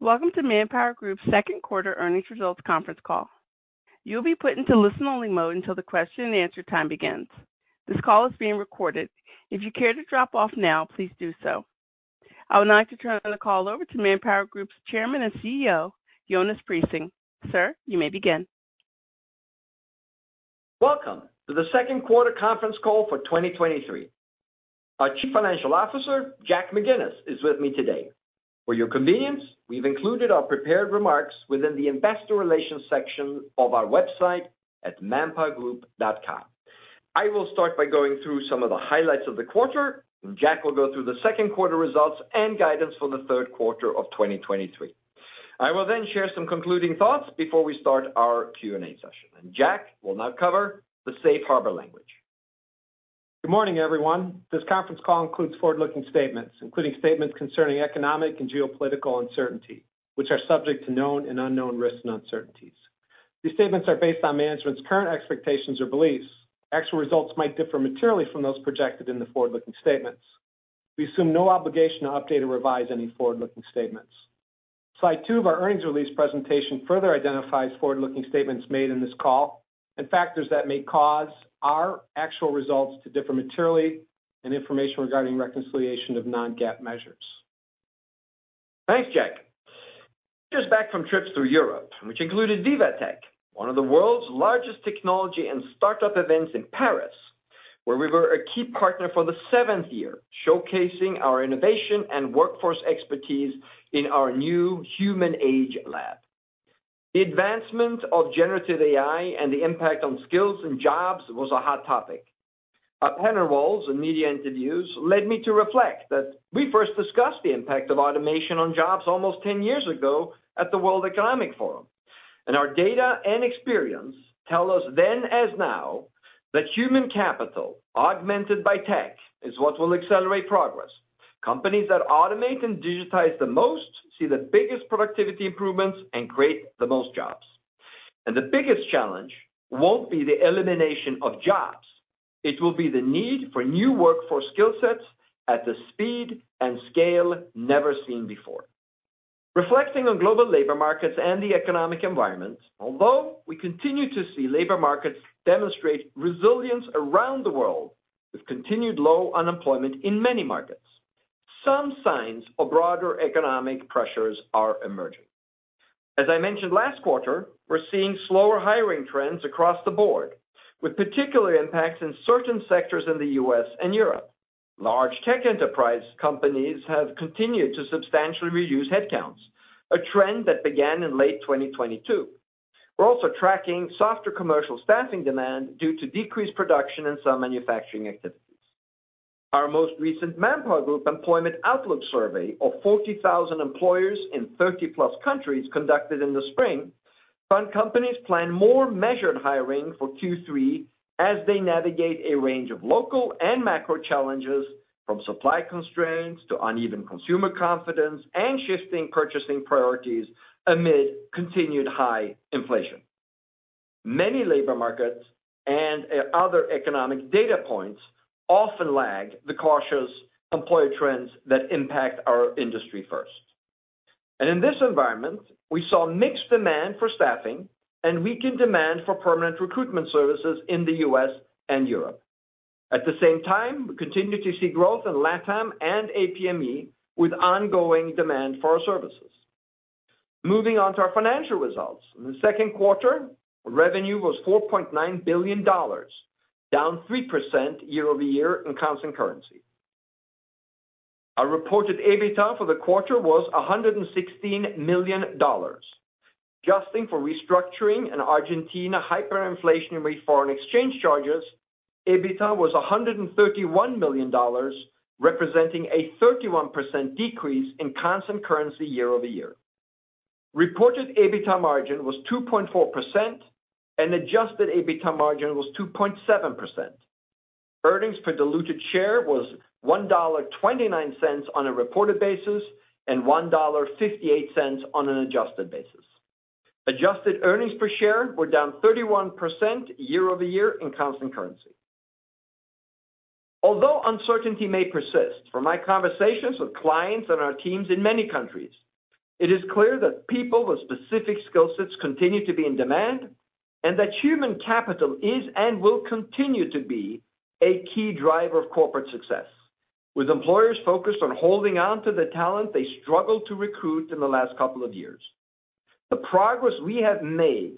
Welcome to ManpowerGroup's second quarter earnings results conference call. You'll be put into listen-only mode until the question-and-answer time begins. This call is being recorded. If you care to drop off now, please do so. I would like to turn the call over to ManpowerGroup's Chairman and CEO, Jonas Prising. Sir, you may begin. Welcome to the second quarter conference call for 2023. Our Chief Financial Officer, Jack McGinnis, is with me today. For your convenience, we've included our prepared remarks within the investor relations section of our website at manpowergroup.com. I will start by going through some of the highlights of the quarter. Jack will go through the second quarter results and guidance for the third quarter of 2023. I will then share some concluding thoughts before we start our Q&A session. Jack will now cover the safe harbor language. Good morning, everyone. This conference call includes forward-looking statements, including statements concerning economic and geopolitical uncertainty, which are subject to known and unknown risks and uncertainties. These statements are based on management's current expectations or beliefs. Actual results might differ materially from those projected in the forward-looking statements. We assume no obligation to update or revise any forward-looking statements. Slide two of our earnings release presentation further identifies forward-looking statements made in this call and factors that may cause our actual results to differ materially and information regarding reconciliation of non-GAAP measures. Thanks, Jack. Just back from trips through Europe, which included VivaTech, one of the world's largest technology and startup events in Paris, where we were a key partner for the 7th year, showcasing our innovation and workforce expertise in our New Human Age Lab. The advancement of generative AI and the impact on skills and jobs was a hot topic. Our panel roles and media interviews led me to reflect that we first discussed the impact of automation on jobs almost 10 years ago at the World Economic Forum. Our data and Experis tell us then, as now, that human capital, augmented by tech, is what will accelerate progress. Companies that automate and digitize the most see the biggest productivity improvements and create the most jobs. The biggest challenge won't be the elimination of jobs, it will be the need for new workforce skill sets at the speed and scale never seen before. Reflecting on global labor markets and the economic environment, although we continue to see labor markets demonstrate resilience around the world, with continued low unemployment in many markets, some signs of broader economic pressures are emerging. As I mentioned last quarter, we're seeing slower hiring trends across the board, with particular impacts in certain sectors in the US and Europe. Large tech enterprise companies have continued to substantially reduce headcounts, a trend that began in late 2022. We're also tracking softer commercial staffing demand due to decreased production in some manufacturing activities. Our most recent ManpowerGroup Employment Outlook survey of 40,000 employers in 30-plus countries, conducted in the spring, found companies plan more measured hiring for Q3 as they navigate a range of local and macro challenges, from supply constraints to uneven consumer confidence and shifting purchasing priorities amid continued high inflation. Many labor markets and other economic data points often lag the cautious employer trends that impact our industry first. In this environment, we saw mixed demand for staffing and weakened demand for permanent recruitment services in the U.S. and Europe. At the same time, we continued to see growth in LATAM and APME, with ongoing demand for our services. Moving on to our financial results. In the second quarter, revenue was $4.9 billion, down 3% year-over-year in constant currency. Our reported EBITDA for the quarter was $116 million. Adjusting for restructuring in Argentina hyperinflation and foreign exchange charges, EBITDA was $131 million, representing a 31% decrease in constant currency year-over-year. Reported EBITDA margin was 2.4%, and adjusted EBITDA margin was 2.7%. Earnings per diluted share was $1.29 on a reported basis and $1.58 on an adjusted basis. Adjusted earnings per share were down 31% year-over-year in constant currency. Although uncertainty may persist, from my conversations with clients and our teams in many countries, it is clear that people with specific skill sets continue to be in demand, and that human capital is and will continue to be a key driver of corporate success, with employers focused on holding on to the talent they struggled to recruit in the last couple of years. The progress we have made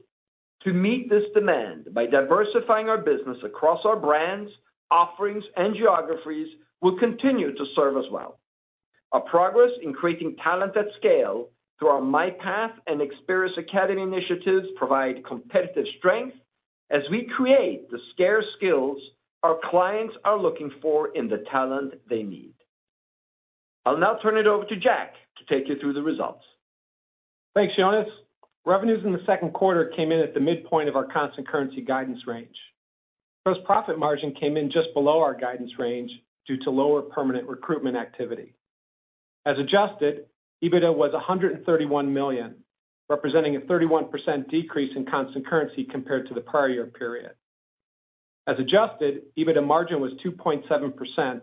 to meet this demand by diversifying our business across our brands, offerings, and geographies will continue to serve us well. Our progress in creating talent at scale through our MyPath and Experis Academy initiatives provide competitive strength as we create the scarce skills our clients are looking for in the talent they need. I'll now turn it over to Jack to take you through the results. Thanks, Jonas. Revenues in the second quarter came in at the midpoint of our constant currency guidance range. Gross profit margin came in just below our guidance range due to lower permanent recruitment activity. As adjusted, EBITDA was $131 million, representing a 31% decrease in constant currency compared to the prior year period. As adjusted, EBITDA margin was 2.7%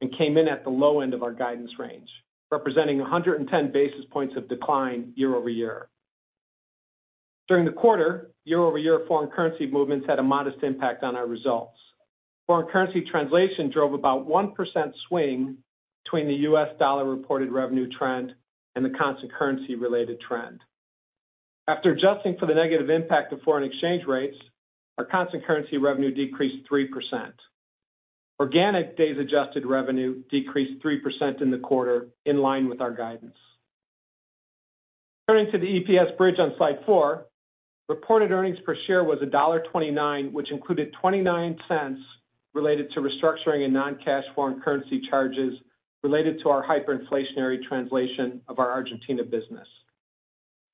and came in at the low end of our guidance range, representing 110 basis points of decline year-over-year. During the quarter, year-over-year foreign currency movements had a modest impact on our results. Foreign currency translation drove about 1% swing between the US dollar reported revenue trend and the constant currency related trend. After adjusting for the negative impact of foreign exchange rates, our constant currency revenue decreased 3%. Organic days adjusted revenue decreased 3% in the quarter, in line with our guidance. Turning to the EPS bridge on slide 4. Reported earnings per share was $1.29, which included $0.29 related to restructuring and non-cash foreign currency charges related to our hyperinflationary translation of our Argentina business.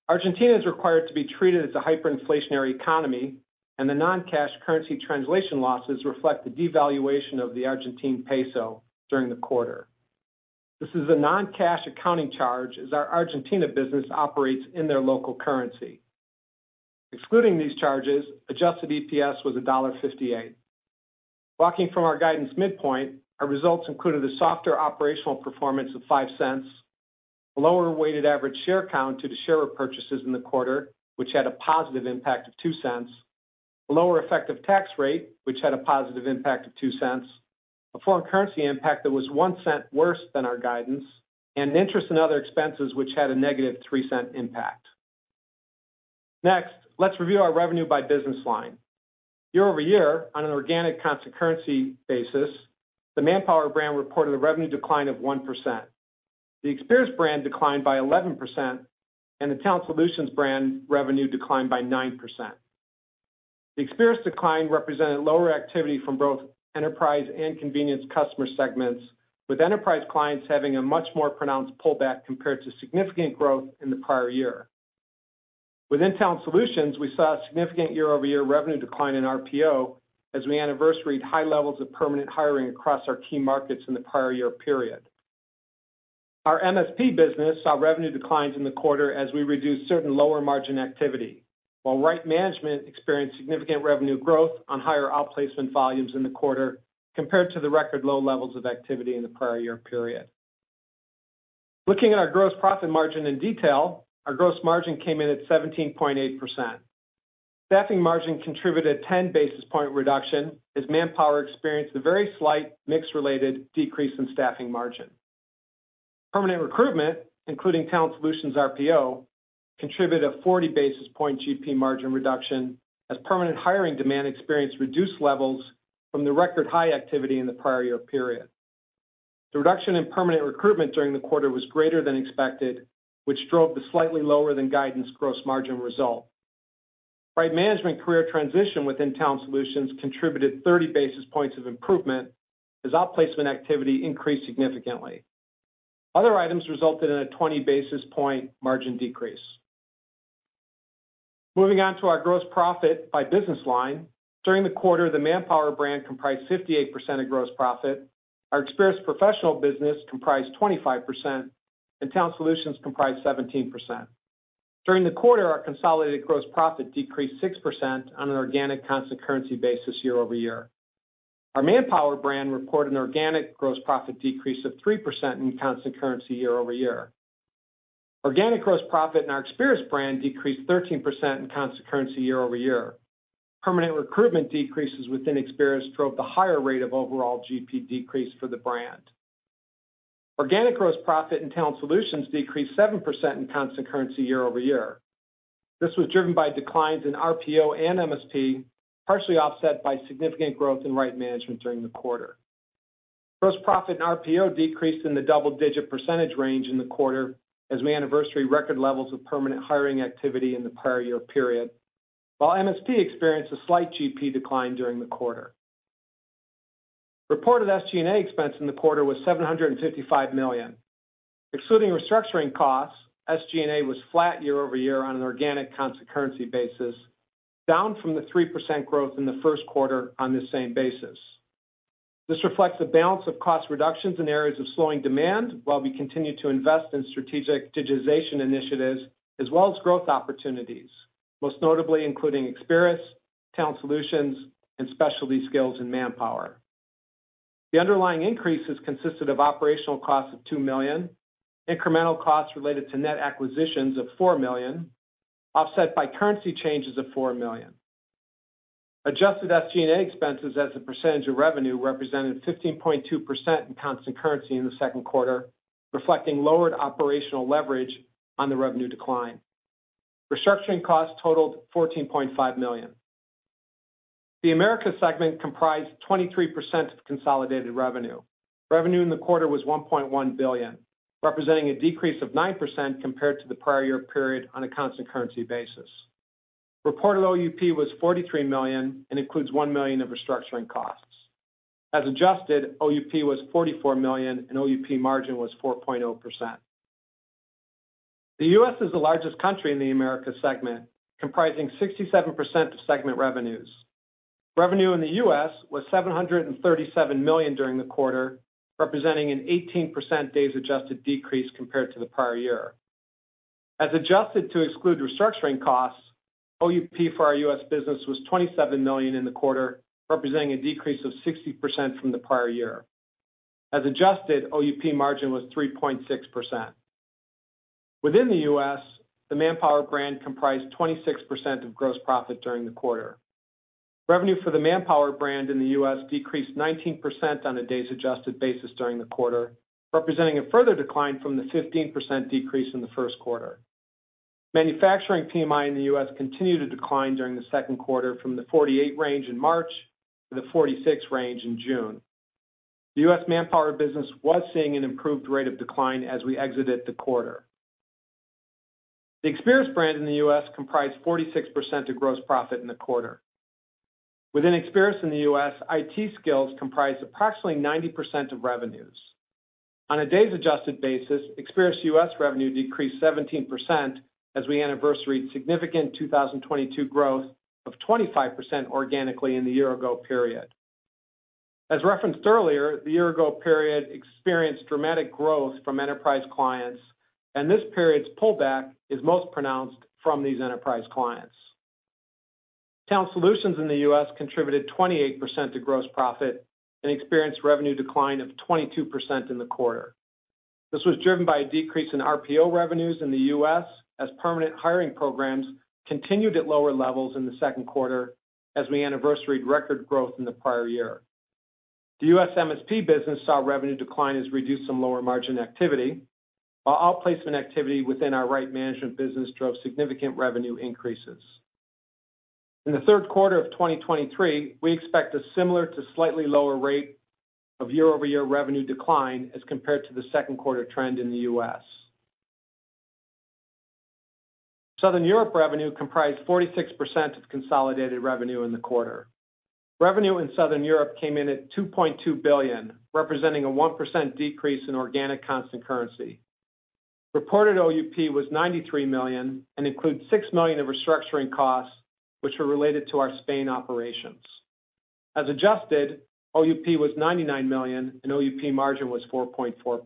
Argentina is required to be treated as a hyperinflationary economy, and the non-cash currency translation losses reflect the devaluation of the Argentina peso during the quarter. This is a non-cash accounting charge, as our Argentina business operates in their local currency. Excluding these charges, adjusted EPS was $1.58. Walking from our guidance midpoint, our results included a softer operational performance of $0.05, a lower weighted average share count due to share repurchases in the quarter, which had a positive impact of $0.02, a lower effective tax rate, which had a positive impact of $0.02, a foreign currency impact that was $0.01 worse than our guidance, and interest and other expenses, which had a negative $0.03 impact. Let's review our revenue by business line. Year-over-year, on an organic constant currency basis, the Manpower brand reported a revenue decline of 1%. The Experis brand declined by 11%, and the Talent Solutions brand revenue declined by 9%. The Experis decline represented lower activity from both enterprise and contingent customer segments, with enterprise clients having a much more pronounced pullback compared to significant growth in the prior year. Within Talent Solutions, we saw a significant year-over-year revenue decline in RPO, as we anniversaried high levels of permanent hiring across our key markets in the prior year period. Our MSP business saw revenue declines in the quarter as we reduced certain lower margin activity, while Right Management experienced significant revenue growth on higher outplacement volumes in the quarter compared to the record low levels of activity in the prior year period. Looking at our gross profit margin in detail, our gross margin came in at 17.8%. Staffing margin contributed 10 basis point reduction, as Manpower experienced a very slight mix-related decrease in staffing margin. Permanent recruitment, including Talent Solutions RPO, contributed a 40 basis point GP margin reduction, as permanent hiring demand experienced reduced levels from the record high activity in the prior year period. The reduction in permanent recruitment during the quarter was greater than expected, which drove the slightly lower than guidance gross margin result. Right Management Career Transition within Talent Solutions contributed 30 basis points of improvement, as outplacement activity increased significantly. Other items resulted in a 20 basis point margin decrease. Moving on to our gross profit by business line. During the quarter, the Manpower brand comprised 58% of gross profit, our Experis professional business comprised 25%, and Talent Solutions comprised 17%. During the quarter, our consolidated gross profit decreased 6% on an organic constant currency basis year-over-year. Our Manpower brand reported an organic gross profit decrease of 3% in constant currency year-over-year. Organic gross profit in our Experis brand decreased 13% in constant currency year-over-year. Permanent recruitment decreases within Experis drove the higher rate of overall GP decrease for the brand. Organic gross profit in Talent Solutions decreased 7% in constant currency year-over-year. This was driven by declines in RPO and MSP, partially offset by significant growth in Right Management during the quarter. Gross profit in RPO decreased in the double-digit percentage range in the quarter as we anniversary record levels of permanent hiring activity in the prior year period, while MSP experienced a slight GP decline during the quarter. Reported SG&A expense in the quarter was $755 million. Excluding restructuring costs, SG&A was flat year-over-year on an organic constant currency basis, down from the 3% growth in the first quarter on the same basis. This reflects a balance of cost reductions in areas of slowing demand, while we continue to invest in strategic digitization initiatives as well as growth opportunities, most notably including Experis, Talent Solutions, and Specialty Skills in Manpower. The underlying increases consisted of operational costs of $2 million, incremental costs related to net acquisitions of $4 million, offset by currency changes of $4 million. Adjusted SG&A expenses as a percentage of revenue represented 15.2% in constant currency in the second quarter, reflecting lowered operational leverage on the revenue decline. Restructuring costs totaled $14.5 million. The Americas segment comprised 23% of consolidated revenue. Revenue in the quarter was $1.1 billion, representing a decrease of 9% compared to the prior year period on a constant currency basis. Reported OUP was $43 million and includes $1 million of restructuring costs. As adjusted, OUP was $44 million, and OUP margin was 4.0%. The US is the largest country in the Americas segment, comprising 67% of segment revenues. Revenue in the U.S. was $737 million during the quarter, representing an 18% days adjusted decrease compared to the prior year. As adjusted to exclude restructuring costs, OUP for our U.S. business was $27 million in the quarter, representing a decrease of 60% from the prior year. As adjusted, OUP margin was 3.6%. Within the U.S., the Manpower brand comprised 26% of gross profit during the quarter. Revenue for the Manpower brand in the U.S. decreased 19% on a days adjusted basis during the quarter, representing a further decline from the 15% decrease in the first quarter. Manufacturing PMI in the U.S. continued to decline during the second quarter from the 48 range in March to the 46 range in June. The U.S. Manpower business was seeing an improved rate of decline as we exited the quarter. The Experis brand in the U.S. comprised 46% of gross profit in the quarter. Within Experis in the U.S., IT skills comprised approximately 90% of revenues. On a days adjusted basis, Experis U.S. revenue decreased 17% as we anniversaried significant 2022 growth of 25% organically in the year ago period. As referenced earlier, the year ago period experienced dramatic growth from enterprise clients, and this period's pullback is most pronounced from these enterprise clients. Talent Solutions in the U.S. contributed 28% to gross profit and experienced revenue decline of 22% in the quarter. This was driven by a decrease in RPO revenues in the U.S. as permanent hiring programs continued at lower levels in the second quarter as we anniversaried record growth in the prior year. The U.S. MSP business saw revenue decline as reduced some lower margin activity, while outplacement activity within our Right Management business drove significant revenue increases. In the third quarter of 2023, we expect a similar to slightly lower rate of year-over-year revenue decline as compared to the second quarter trend in the U.S. Southern Europe revenue comprised 46% of consolidated revenue in the quarter. Revenue in Southern Europe came in at 2.2 billion, representing a 1% decrease in organic constant currency. Reported OUP was $93 million and includes $6 million of restructuring costs, which were related to our Spain operations. As adjusted, OUP was $99 million, and OUP margin was 4.4%.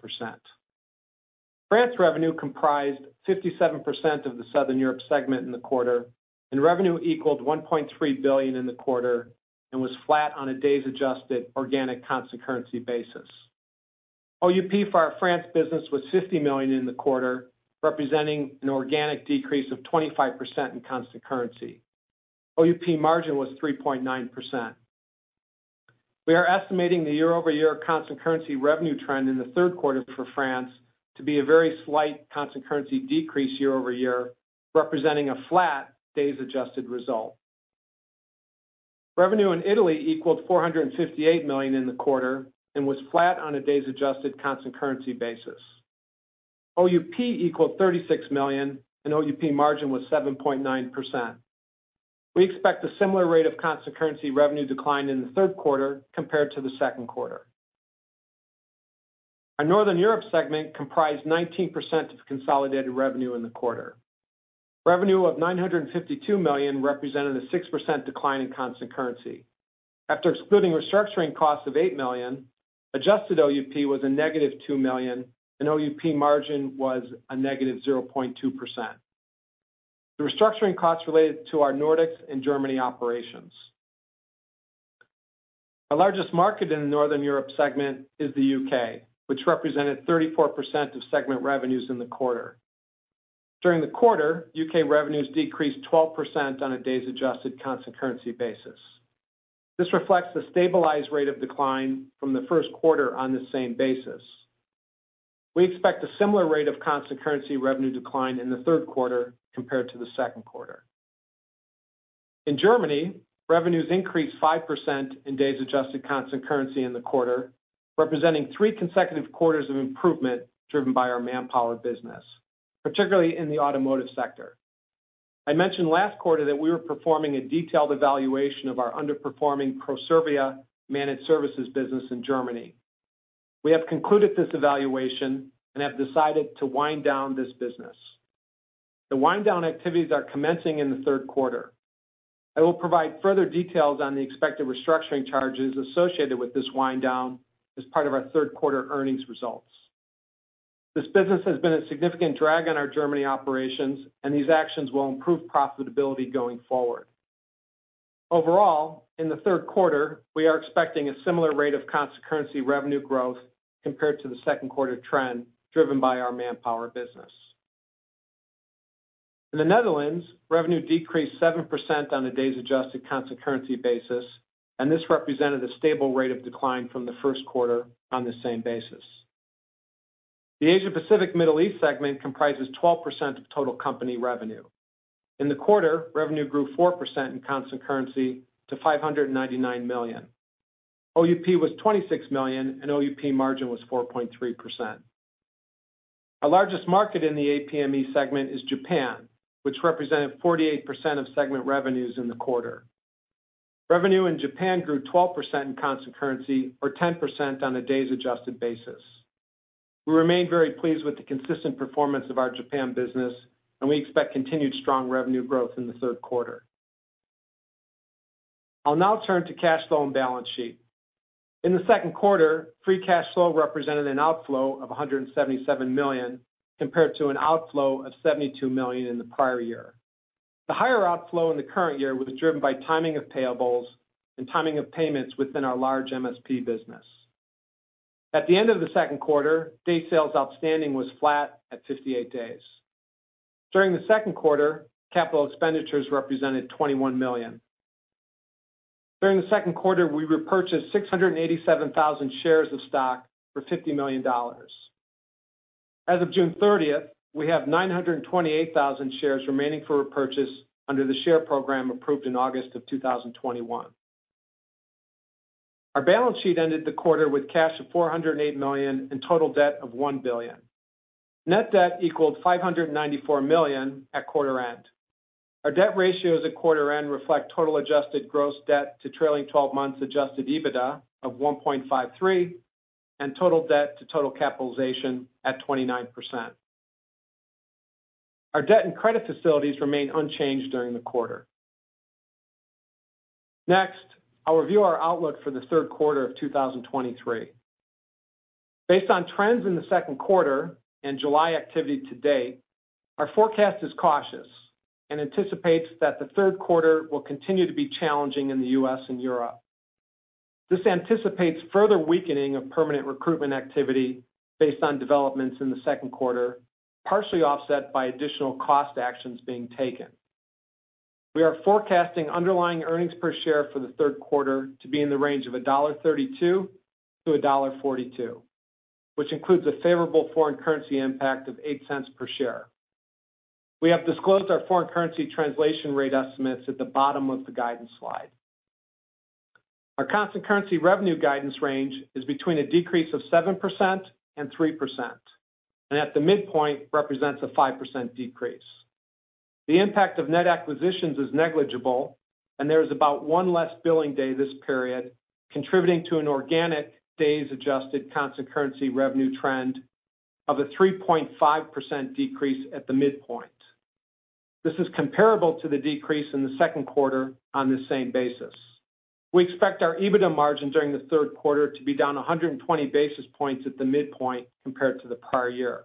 France revenue comprised 57% of the Southern Europe segment in the quarter, and revenue equaled 1.3 billion in the quarter and was flat on a days adjusted organic constant currency basis. OUP for our France business was 50 million in the quarter, representing an organic decrease of 25% in constant currency. OUP margin was 3.9%. We are estimating the year-over-year constant currency revenue trend in the third quarter for France to be a very slight constant currency decrease year over year, representing a flat days adjusted result. Revenue in Italy equaled 458 million in the quarter and was flat on a days adjusted constant currency basis. OUP equaled 36 million, and OUP margin was 7.9%. We expect a similar rate of constant currency revenue decline in the third quarter compared to the second quarter. Our Northern Europe segment comprised 19% of consolidated revenue in the quarter. Revenue of $952 million represented a 6% decline in constant currency. After excluding restructuring costs of $8 million, adjusted OUP was a negative $2 million, and OUP margin was a negative 0.2%. The restructuring costs related to our Nordics and Germany operations. Our largest market in the Northern Europe segment is the U.K., which represented 34% of segment revenues in the quarter. During the quarter, U.K. revenues decreased 12% on a days adjusted constant currency basis. This reflects the stabilized rate of decline from the first quarter on the same basis. We expect a similar rate of constant currency revenue decline in the third quarter compared to the second quarter. In Germany, revenues increased 5% in days adjusted constant currency in the quarter, representing 3 consecutive quarters of improvement, driven by our Manpower business, particularly in the automotive sector. I mentioned last quarter that we were performing a detailed evaluation of our underperforming Proservia Managed Services business in Germany. We have concluded this evaluation and have decided to wind down this business. The wind down activities are commencing in the third quarter. I will provide further details on the expected restructuring charges associated with this wind down as part of our third quarter earnings results. This business has been a significant drag on our Germany operations. These actions will improve profitability going forward. Overall, in the third quarter, we are expecting a similar rate of constant currency revenue growth compared to the second quarter trend, driven by our Manpower business. In the Netherlands, revenue decreased 7% on a days adjusted constant currency basis. This represented a stable rate of decline from the 1st quarter on the same basis. The Asia-Pacific Middle East segment comprises 12% of total company revenue. In the quarter, revenue grew 4% in constant currency to $599 million. OUP was $26 million. OUP margin was 4.3%. Our largest market in the APME segment is Japan, which represented 48% of segment revenues in the quarter. Revenue in Japan grew 12% in constant currency, or 10% on a days adjusted basis. We remain very pleased with the consistent performance of our Japan business. We expect continued strong revenue growth in the 3rd quarter. I'll now turn to cash flow and balance sheet. In the second quarter, free cash flow represented an outflow of $177 million, compared to an outflow of $72 million in the prior year. The higher outflow in the current year was driven by timing of payables and timing of payments within our large MSP business. At the end of the second quarter, day sales outstanding was flat at 58 days. During the second quarter, capital expenditures represented $21 million. During the second quarter, we repurchased 687,000 shares of stock for $50 million. As of June 30th, we have 928,000 shares remaining for repurchase under the share program approved in August of 2021. Our balance sheet ended the quarter with cash of $408 million and total debt of $1 billion. Net debt equaled $594 million at quarter end. Our debt ratios at quarter end reflect total adjusted gross debt to trailing 12 months adjusted EBITDA of 1.53, and total debt to total capitalization at 29%. Our debt and credit facilities remained unchanged during the quarter. I'll review our outlook for the third quarter of 2023. Based on trends in the second quarter and July activity to date, our forecast is cautious and anticipates that the third quarter will continue to be challenging in the U.S. and Europe. This anticipates further weakening of permanent recruitment activity based on developments in the second quarter, partially offset by additional cost actions being taken. We are forecasting underlying earnings per share for the third quarter to be in the range of $1.32-$1.42, which includes a favorable foreign currency impact of $0.08 per share. We have disclosed our foreign currency translation rate estimates at the bottom of the guidance slide. Our constant currency revenue guidance range is between a decrease of 7% and 3%, and at the midpoint, represents a 5% decrease. The impact of net acquisitions is negligible, and there is about 1 less billing day this period, contributing to an organic days-adjusted constant currency revenue trend of a 3.5% decrease at the midpoint. This is comparable to the decrease in the 2Q on the same basis. We expect our EBITDA margin during the third quarter to be down 120 basis points at the midpoint compared to the prior year.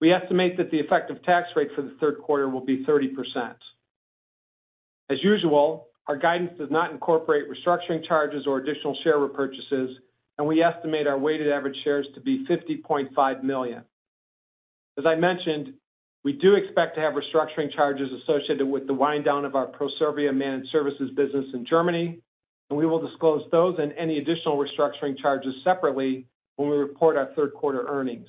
We estimate that the effective tax rate for the third quarter will be 30%. As usual, our guidance does not incorporate restructuring charges or additional share repurchases, and we estimate our weighted average shares to be 50.5 million. As I mentioned, we do expect to have restructuring charges associated with the wind down of our Proservia Managed Services business in Germany, and we will disclose those and any additional restructuring charges separately when we report our 3rd quarter earnings.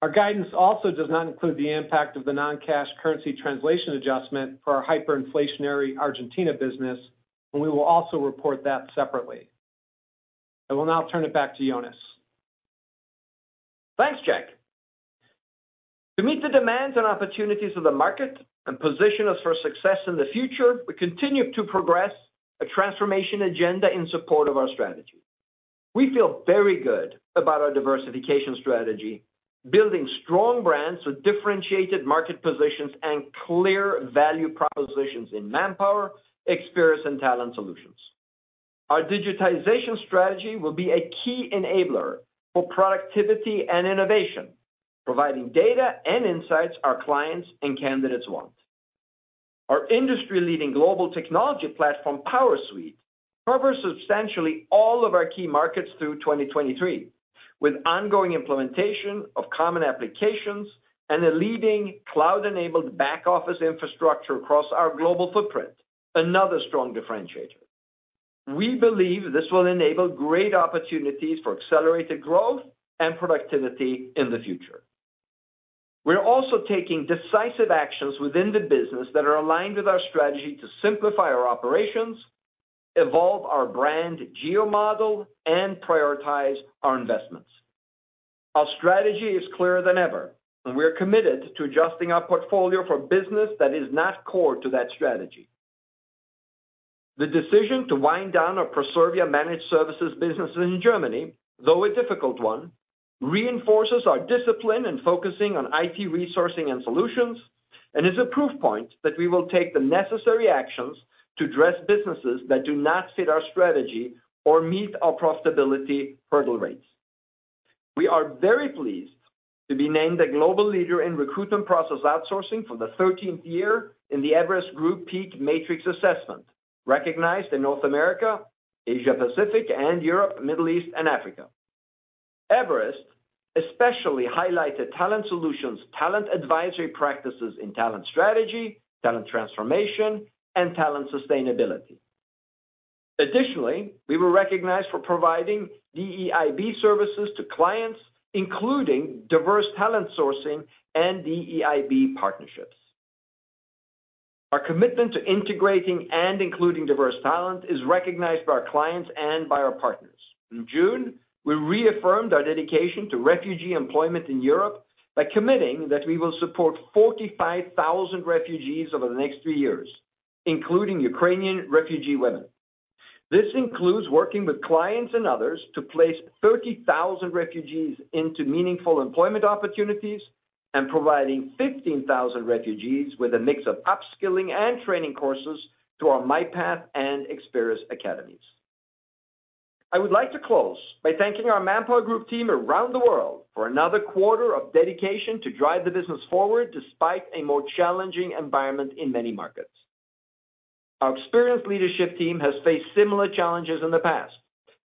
Our guidance also does not include the impact of the non-cash currency translation adjustment for our hyperinflationary Argentina business, and we will also report that separately. I will now turn it back to Jonas. Thanks, Jack. To meet the demands and opportunities of the market and position us for success in the future, we continue to progress a transformation agenda in support of our strategy. We feel very good about our diversification strategy, building strong brands with differentiated market positions and clear value propositions in Manpower, Experis, and Talent Solutions. Our digitization strategy will be a key enabler for productivity and innovation, providing data and insights our clients and candidates want. Our industry-leading global technology platform, PowerSuite, covers substantially all of our key markets through 2023, with ongoing implementation of common applications and a leading cloud-enabled back office infrastructure across our global footprint, another strong differentiator. We believe this will enable great opportunities for accelerated growth and productivity in the future. We are also taking decisive actions within the business that are aligned with our strategy to simplify our operations, evolve our brand geo model, and prioritize our investments. Our strategy is clearer than ever, and we are committed to adjusting our portfolio for business that is not core to that strategy. The decision to wind down our Proservia Managed Services business in Germany, though a difficult one, reinforces our discipline in focusing on IT resourcing and solutions, and is a proof point that we will take the necessary actions to address businesses that do not fit our strategy or meet our profitability hurdle rates. We are very pleased to be named a global leader in recruitment process outsourcing for the thirteenth year in the Everest Group PEAK Matrix Assessment, recognized in North America, Asia Pacific, and Europe, Middle East, and Africa. Everest especially highlighted Talent Solutions' talent advisory practices in talent strategy, talent transformation, and talent sustainability. Additionally, we were recognized for providing DEIB services to clients, including diverse talent sourcing and DEIB partnerships. Our commitment to integrating and including diverse talent is recognized by our clients and by our partners. In June, we reaffirmed our dedication to refugee employment in Europe by committing that we will support 45,000 refugees over the next three years, including Ukrainian refugee women. This includes working with clients and others to place 30,000 refugees into meaningful employment opportunities, and providing 15,000 refugees with a mix of upskilling and training courses through our MyPath and Experis Academies. I would like to close by thanking our ManpowerGroup team around the world for another quarter of dedication to drive the business forward, despite a more challenging environment in many markets. Our experienced leadership team has faced similar challenges in the past,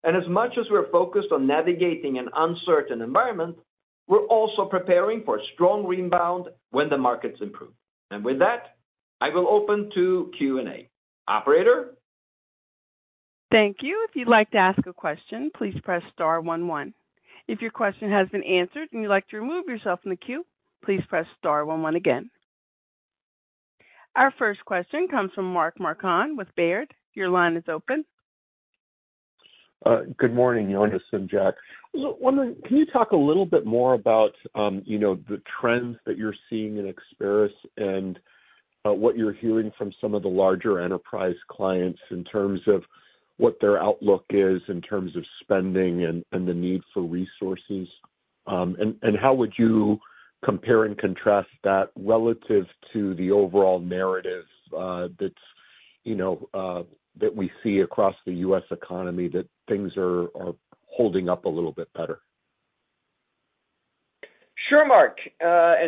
as much as we're focused on navigating an uncertain environment, we're also preparing for a strong rebound when the markets improve. With that, I will open to Q&A. Operator? Thank you. If you'd like to ask a question, please press star one. If your question has been answered, and you'd like to remove yourself from the queue, please press star one again. Our first question comes from Mark Marcon with Baird. Your line is open. Good morning, Jonas and Jack. Look, wondering, can you talk a little bit more about, you know, the trends that you're seeing in Experis and what you're hearing from some of the larger enterprise clients in terms of what their outlook is, in terms of spending and the need for resources? How would you compare and contrast that relative to the overall narrative, that's, you know, that we see across the U.S. economy, that things are holding up a little bit better? Sure, Mark,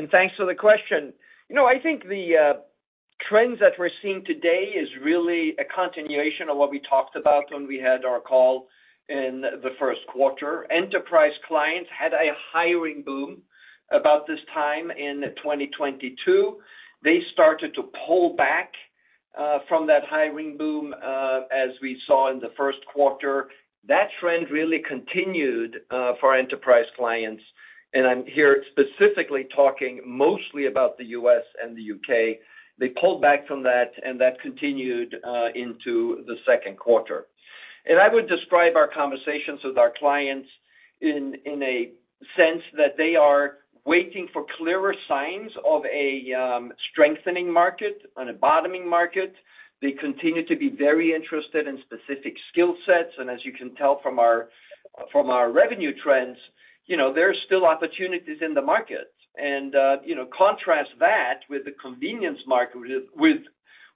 thanks for the question. You know, I think the trends that we're seeing today is really a continuation of what we talked about when we had our call in the first quarter. Enterprise clients had a hiring boom about this time in 2022. They started to pull back from that hiring boom, as we saw in the first quarter. That trend really continued for our enterprise clients. I'm here specifically talking mostly about the U.S. and the U.K. They pulled back from that continued into the second quarter. I would describe our conversations with our clients in a sense that they are waiting for clearer signs of a strengthening market and a bottoming market. They continue to be very interested in specific skill sets. As you can tell from our revenue trends, you know, there are still opportunities in the market. You know, contrast that with the contingent market,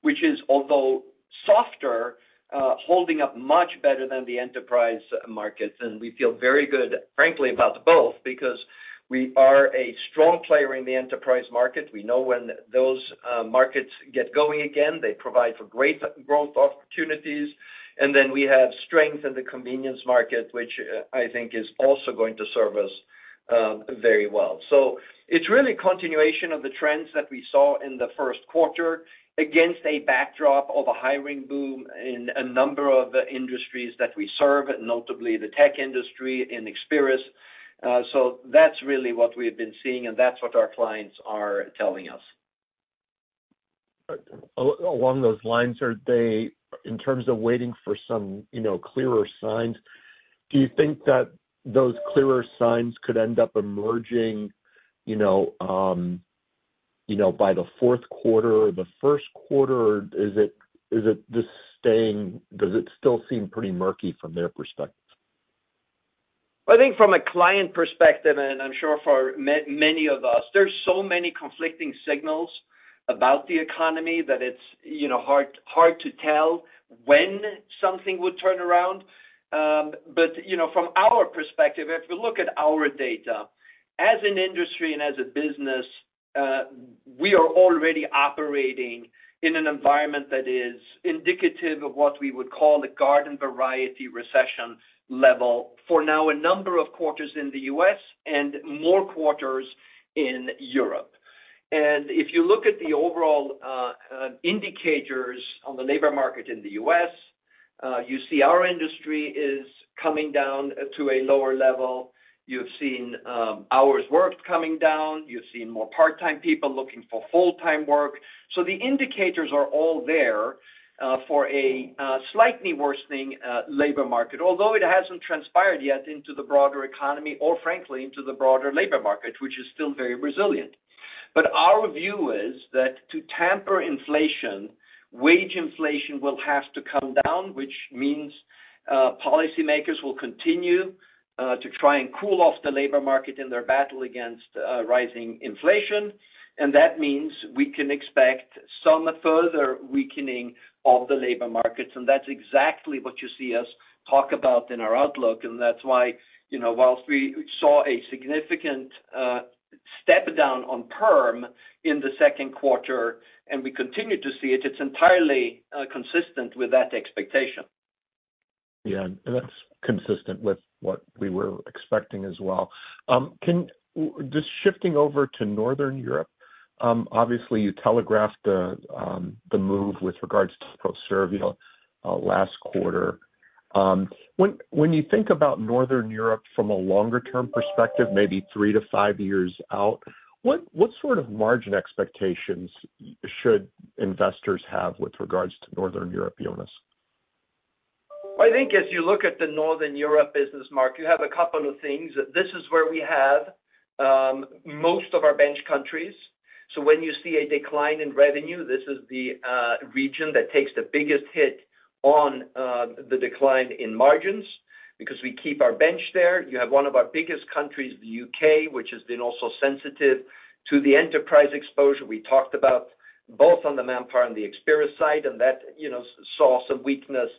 which is, although softer, holding up much better than the enterprise markets. We feel very good, frankly, about both, because we are a strong player in the enterprise market. We know when those markets get going again, they provide for great growth opportunities. We have strength in the contingent market, which, I think is also going to serve us very well. It's really a continuation of the trends that we saw in the first quarter against a backdrop of a hiring boom in a number of industries that we serve, notably the tech industry in Experis. That's really what we've been seeing, and that's what our clients are telling us. Along those lines, are they, in terms of waiting for some, you know, clearer signs, do you think that those clearer signs could end up emerging, you know, by the fourth quarter or the first quarter? Or is it just staying, does it still seem pretty murky from their perspective? I think from a client perspective, and I'm sure for many of us, there's so many conflicting signals about the economy that it's, you know, hard, hard to tell when something would turn around. You know, from our perspective, if you look at our data, as an industry and as a business, we are already operating in an environment that is indicative of what we would call a garden variety recession level, for now, a number of quarters in the U.S. and more quarters in Europe. If you look at the overall indicators on the labor market in the U.S., you see our industry is coming down to a lower level. You've seen hours worked coming down. You've seen more part-time people looking for full-time work. The indicators are all there, for a slightly worsening labor market, although it hasn't transpired yet into the broader economy or frankly, into the broader labor market, which is still very resilient. Our view is that to tamper inflation, wage inflation will have to come down, which means policymakers will continue to try and cool off the labor market in their battle against rising inflation. That means we can expect some further weakening of the labor markets. That's exactly what you see us talk about in our outlook. That's why, you know, whilst we saw a significant step down on perm in the second quarter, and we continue to see it's entirely consistent with that expectation. That's consistent with what we were expecting as well. Just shifting over to Northern Europe, obviously, you telegraphed the move with regards to Proservia last quarter. When you think about Northern Europe from a longer-term perspective, maybe three to five years out, what sort of margin expectations should investors have with regards to Northern Europe, Jonas? I think as you look at the Northern Europe business, Mark, you have a couple of things. This is where we have most of our bench countries. When you see a decline in revenue, this is the region that takes the biggest hit on the decline in margins, because we keep our bench there. You have one of our biggest countries, the UK, which has been also sensitive to the enterprise exposure we talked about, both on the Manpower and the Experis side, and that, you know, saw some weakness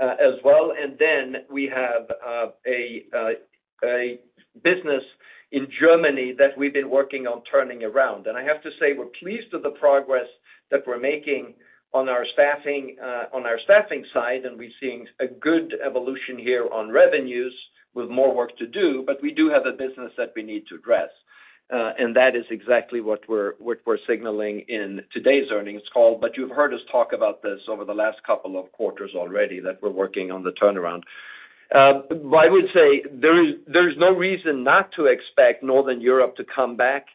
as well. Then we have a business in Germany that we've been working on turning around. I have to say, we're pleased with the progress that we're making on our staffing, on our staffing side, and we're seeing a good evolution here on revenues with more work to do, but we do have a business that we need to address. That is exactly what we're signaling in today's earnings call. You've heard us talk about this over the last couple of quarters already, that we're working on the turnaround. I would say there's no reason not to expect Northern Europe to come back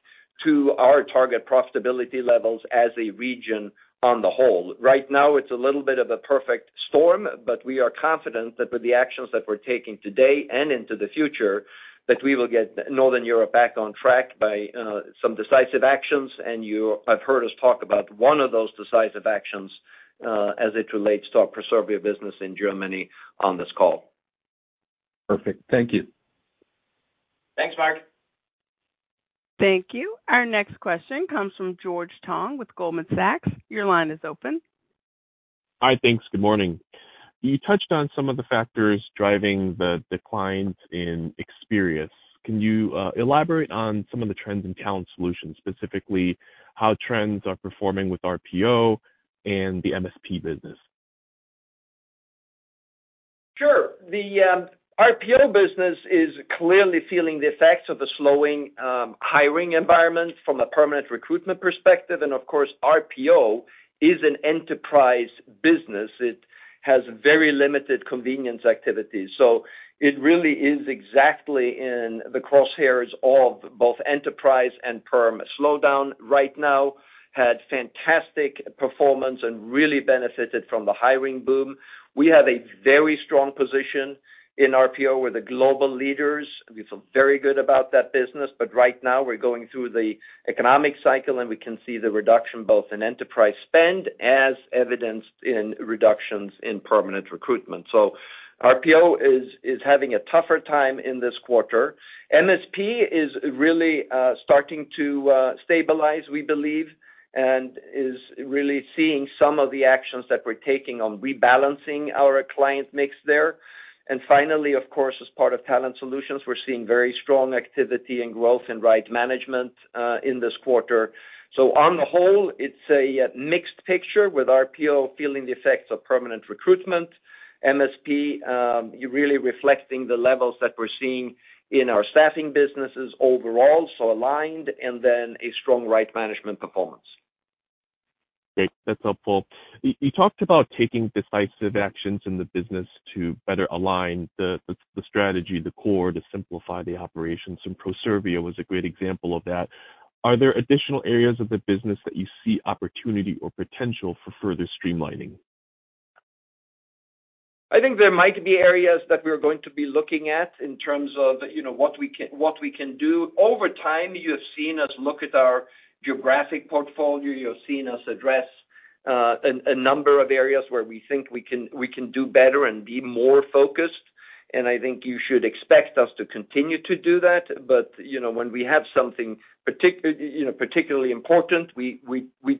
to our target profitability levels as a region on the whole. Right now, it's a little bit of a perfect storm, but we are confident that with the actions that we're taking today and into the future, that we will get Northern Europe back on track by some decisive actions. You have heard us talk about one of those decisive actions, as it relates to our Proservia business in Germany on this call. Perfect. Thank you. Thanks, Mark. Thank you. Our next question comes from George Tong with Goldman Sachs. Your line is open. Hi, thanks. Good morning. You touched on some of the factors driving the decline in Experis. Can you elaborate on some of the trends in Talent Solutions, specifically how trends are performing with RPO and the MSP business? Sure. The RPO business is clearly feeling the effects of the slowing hiring environment from a permanent recruitment perspective. Of course, RPO is an enterprise business. It has very limited contingent activities. It really is exactly in the crosshairs of both enterprise and perm slowdown right now, had fantastic performance and really benefited from the hiring boom. We have a very strong position in RPO. We're the global leaders. We feel very good about that business, but right now we're going through the economic cycle, and we can see the reduction both in enterprise spend, as evidenced in reductions in permanent recruitment. RPO is having a tougher time in this quarter. MSP is really starting to stabilize, we believe, and is really seeing some of the actions that we're taking on rebalancing our client mix there. Finally, of course, as part of Talent Solutions, we're seeing very strong activity and growth in Right Management in this quarter. On the whole, it's a mixed picture, with RPO feeling the effects of permanent recruitment. MSP really reflecting the levels that we're seeing in our staffing businesses overall, so aligned, and then a strong Right Management performance. Great. That's helpful. You talked about taking decisive actions in the business to better align the strategy, the core, to simplify the operations, and Proservia was a great example of that. Are there additional areas of the business that you see opportunity or potential for further streamlining? I think there might be areas that we're going to be looking at in terms of, you know, what we can, what we can do. Over time, you have seen us look at our geographic portfolio. You have seen us address a number of areas where we think we can, we can do better and be more focused, and I think you should expect us to continue to do that. You know, when we have something particular, you know, particularly important, we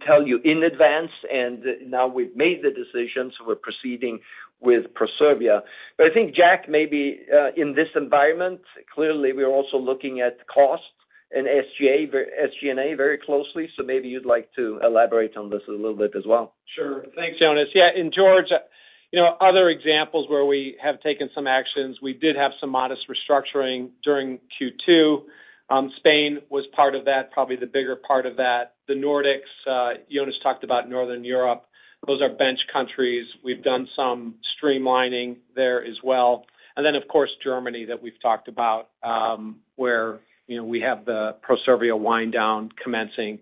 tell you in advance, and now we've made the decision, so we're proceeding with Proservia. I think, Jack, maybe in this environment, clearly, we are also looking at costs and SG&A very closely. Maybe you'd like to elaborate on this a little bit as well. Sure. Thanks, Jonas. Yeah, George, you know, other examples where we have taken some actions, we did have some modest restructuring during Q2. Spain was part of that, probably the bigger part of that. The Nordics, Jonas talked about Northern Europe. Those are bench countries. We've done some streamlining there as well. Of course, Germany, that we've talked about, where, you know, we have the Proservia wind down commencing.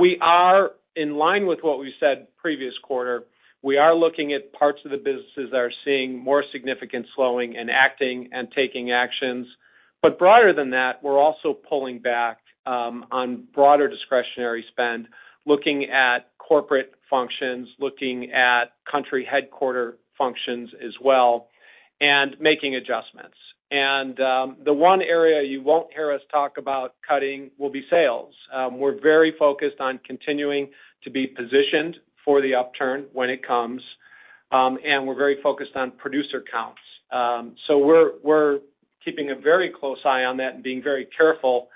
We are in line with what we said previous quarter. We are looking at parts of the businesses that are seeing more significant slowing and acting and taking actions. Broader than that, we're also pulling back on broader discretionary spend, looking at corporate functions, looking at country headquarter functions as well, and making adjustments. The one area you won't hear us talk about cutting will be sales. We're very focused on continuing to be positioned for the upturn when it comes, and we're very focused on producer counts. We're keeping a very close eye on that and being very careful.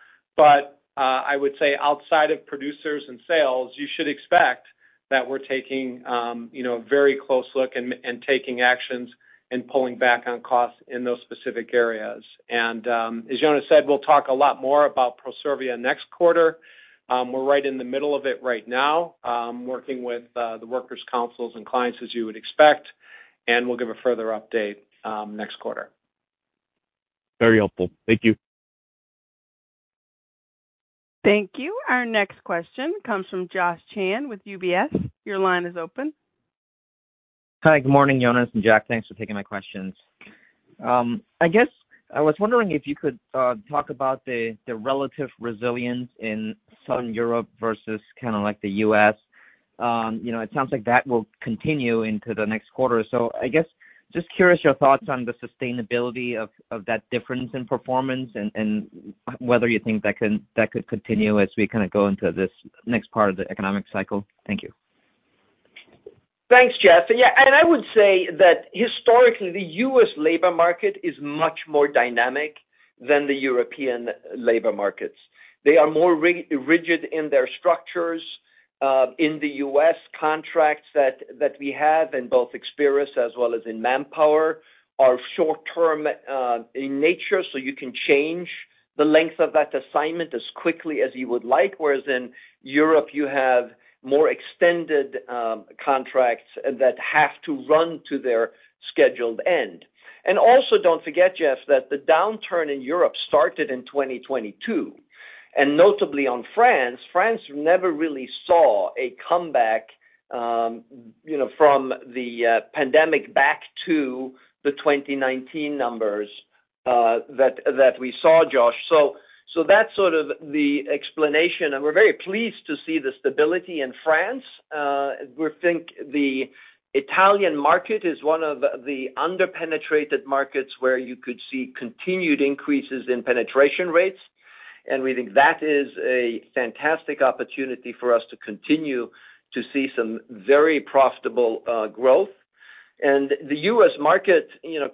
I would say outside of producers and sales, you should expect that we're taking, you know, a very close look and taking actions and pulling back on costs in those specific areas. As Jonas said, we'll talk a lot more about Proservia next quarter. We're right in the middle of it right now, working with the workers' councils and clients, as you would expect, and we'll give a further update next quarter. Very helpful. Thank you. Thank you. Our next question comes from Joshua Chan with UBS. Your line is open. Hi, good morning, Jonas and Jack. Thanks for taking my questions. I guess I was wondering if you could talk about the relative resilience in Southern Europe versus kind of like the U.S. you know, it sounds like that will continue into the next quarter. I guess, just curious your thoughts on the sustainability of that difference in performance and whether you think that could continue as we kind of go into this next part of the economic cycle? Thank you. Thanks, Josh. I would say that historically, the U.S. labor market is much more dynamic than the European labor markets. They are more rigid in their structures. In the U.S., contracts that we have in both Experis as well as in Manpower, are short term in nature, so you can change the length of that assignment as quickly as you would like. Whereas in Europe, you have more extended contracts that have to run to their scheduled end. Also, don't forget, Josh, that the downturn in Europe started in 2022, and notably on France. France never really saw a comeback, you know, from the pandemic back to the 2019 numbers that we saw, Josh. That's sort of the explanation, and we're very pleased to see the stability in France. We think the Italian market is one of the underpenetrated markets where you could see continued increases in penetration rates. We think that is a fantastic opportunity for us to continue to see some very profitable growth. The U.S. market, you know,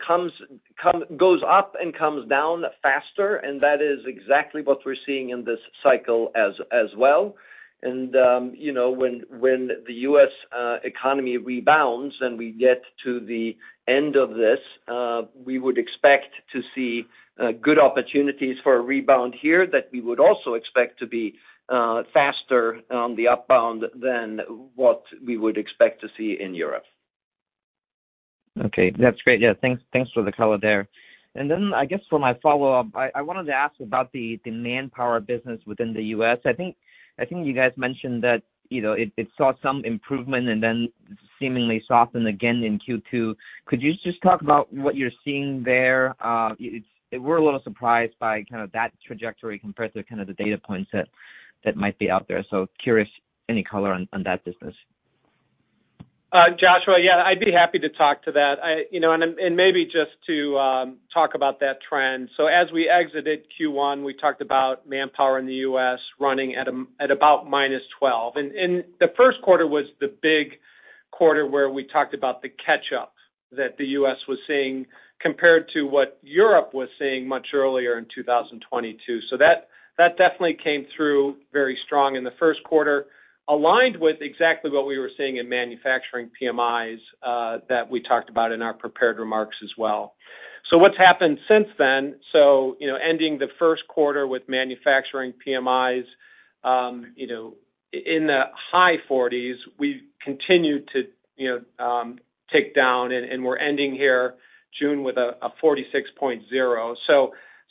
goes up and comes down faster. That is exactly what we're seeing in this cycle as well. You know, when the U.S. economy rebounds and we get to the end of this, we would expect to see good opportunities for a rebound here that we would also expect to be faster on the upbound than what we would expect to see in Europe. Okay. That's great. Yeah, thanks for the color there. I guess for my follow-up, I wanted to ask about the Manpower business within the U.S. I think you guys mentioned that, you know, it saw some improvement and then seemingly softened again in Q2. Could you just talk about what you're seeing there? We're a little surprised by kind of that trajectory compared to kind of the data points that might be out there. Curious, any color on that business. Josh, yeah, I'd be happy to talk to that. I, you know, maybe just to talk about that trend. As we exited Q1, we talked about Manpower in the U.S. running at -12, and the 1st quarter was the big quarter where we talked about the catch-up that the U.S. was seeing compared to what Europe was seeing much earlier in 2022. That definitely came through very strong in the 1st quarter, aligned with exactly what we were seeing in manufacturing PMIs that we talked about in our prepared remarks as well. What's happened since then? You know, ending the 1st quarter with manufacturing PMIs, you know, in the high forties, we've continued to, you know, tick down, and we're ending here June with a 46.0.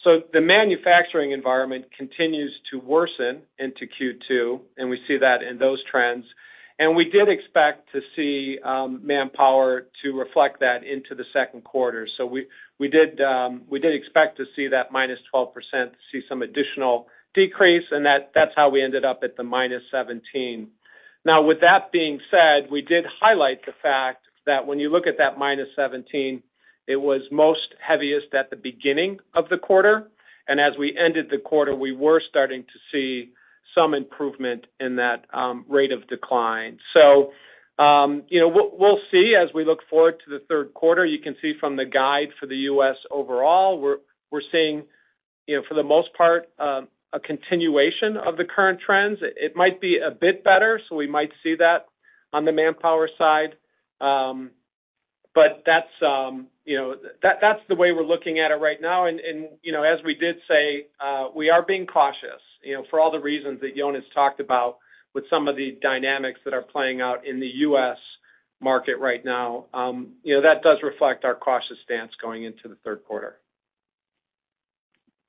The manufacturing environment continues to worsen into Q2, and we see that in those trends. We did expect to see Manpower to reflect that into the second quarter. We, we did expect to see that -12%, to see some additional decrease, and that's how we ended up at the -17. Now, with that being said, we did highlight the fact that when you look at that -17, it was most heaviest at the beginning of the quarter, and as we ended the quarter, we were starting to see some improvement in that rate of decline. You know, we'll see as we look forward to the third quarter. You can see from the guide for the US overall, we're seeing, you know, for the most part, a continuation of the current trends. It might be a bit better, so we might see that on the Manpower side. That's, you know, that's the way we're looking at it right now. You know, as we did say, we are being cautious, you know, for all the reasons that Jonas talked about, with some of the dynamics that are playing out in the U.S. market right now. You know, that does reflect our cautious stance going into the third quarter.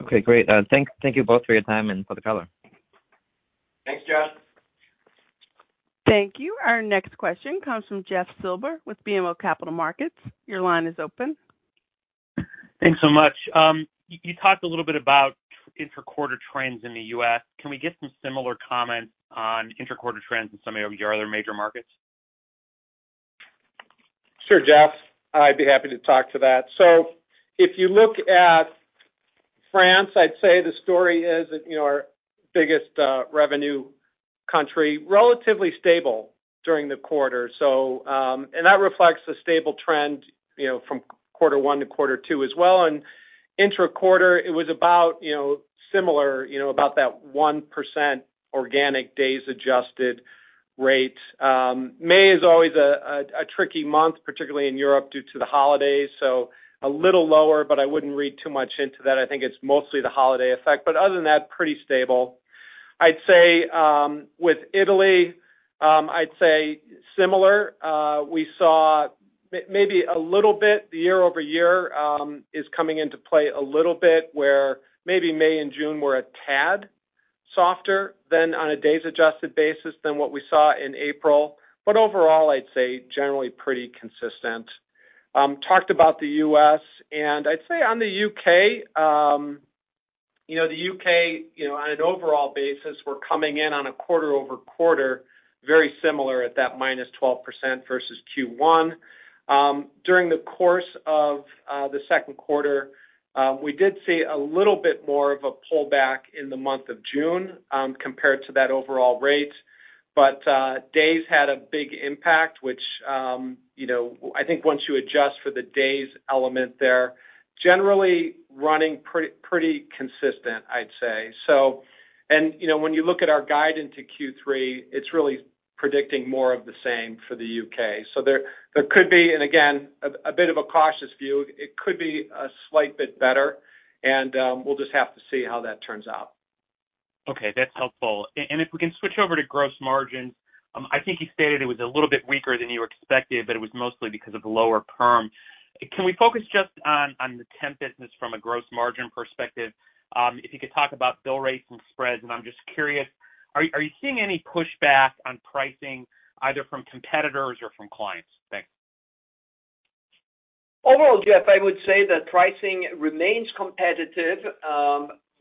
Okay, great. Thank you both for your time and for the color. Thanks, Josh. Thank you. Our next question comes from Jeff Silber with BMO Capital Markets. Your line is open. Thanks so much. You talked a little bit about interquarter trends in the U.S. Can we get some similar comments on interquarter trends in some of your other major markets? Sure, Jeff, I'd be happy to talk to that. If you look at France, I'd say the story is that, you know, our biggest revenue country, relatively stable during the quarter. That reflects the stable trend, you know, from quarter one to quarter two as well. Intraquarter, it was about, you know, similar, you know, about that 1% organic days adjusted rate. May is always a tricky month, particularly in Europe, due to the holidays, so a little lower, but I wouldn't read too much into that. I think it's mostly the holiday effect, but other than that, pretty stable. I'd say, with Italy, I'd say similar, we saw maybe a little bit, the year-over-year is coming into play a little bit, where maybe May and June were a tad.... softer than on a days adjusted basis than what we saw in April. Overall, I'd say generally pretty consistent. Talked about the U.S., and I'd say on the U.K., you know, the U.K., you know, on an overall basis, we're coming in on a quarter-over-quarter, very similar at that -12% versus Q1. During the course of the second quarter, we did see a little bit more of a pullback in the month of June, compared to that overall rate. Days had a big impact, which, you know, I think once you adjust for the days element there, generally running pretty consistent, I'd say. You know, when you look at our guide into Q3, it's really predicting more of the same for the U.K. there could be, and again, a bit of a cautious view. It could be a slight bit better, and, we'll just have to see how that turns out. Okay, that's helpful. If we can switch over to gross margins. I think you stated it was a little bit weaker than you expected, but it was mostly because of the lower perm. Can we focus just on the temp business from a gross margin perspective? If you could talk about bill rates and spreads, and I'm just curious, are you seeing any pushback on pricing, either from competitors or from clients? Thanks. Overall, Jeff, I would say that pricing remains competitive,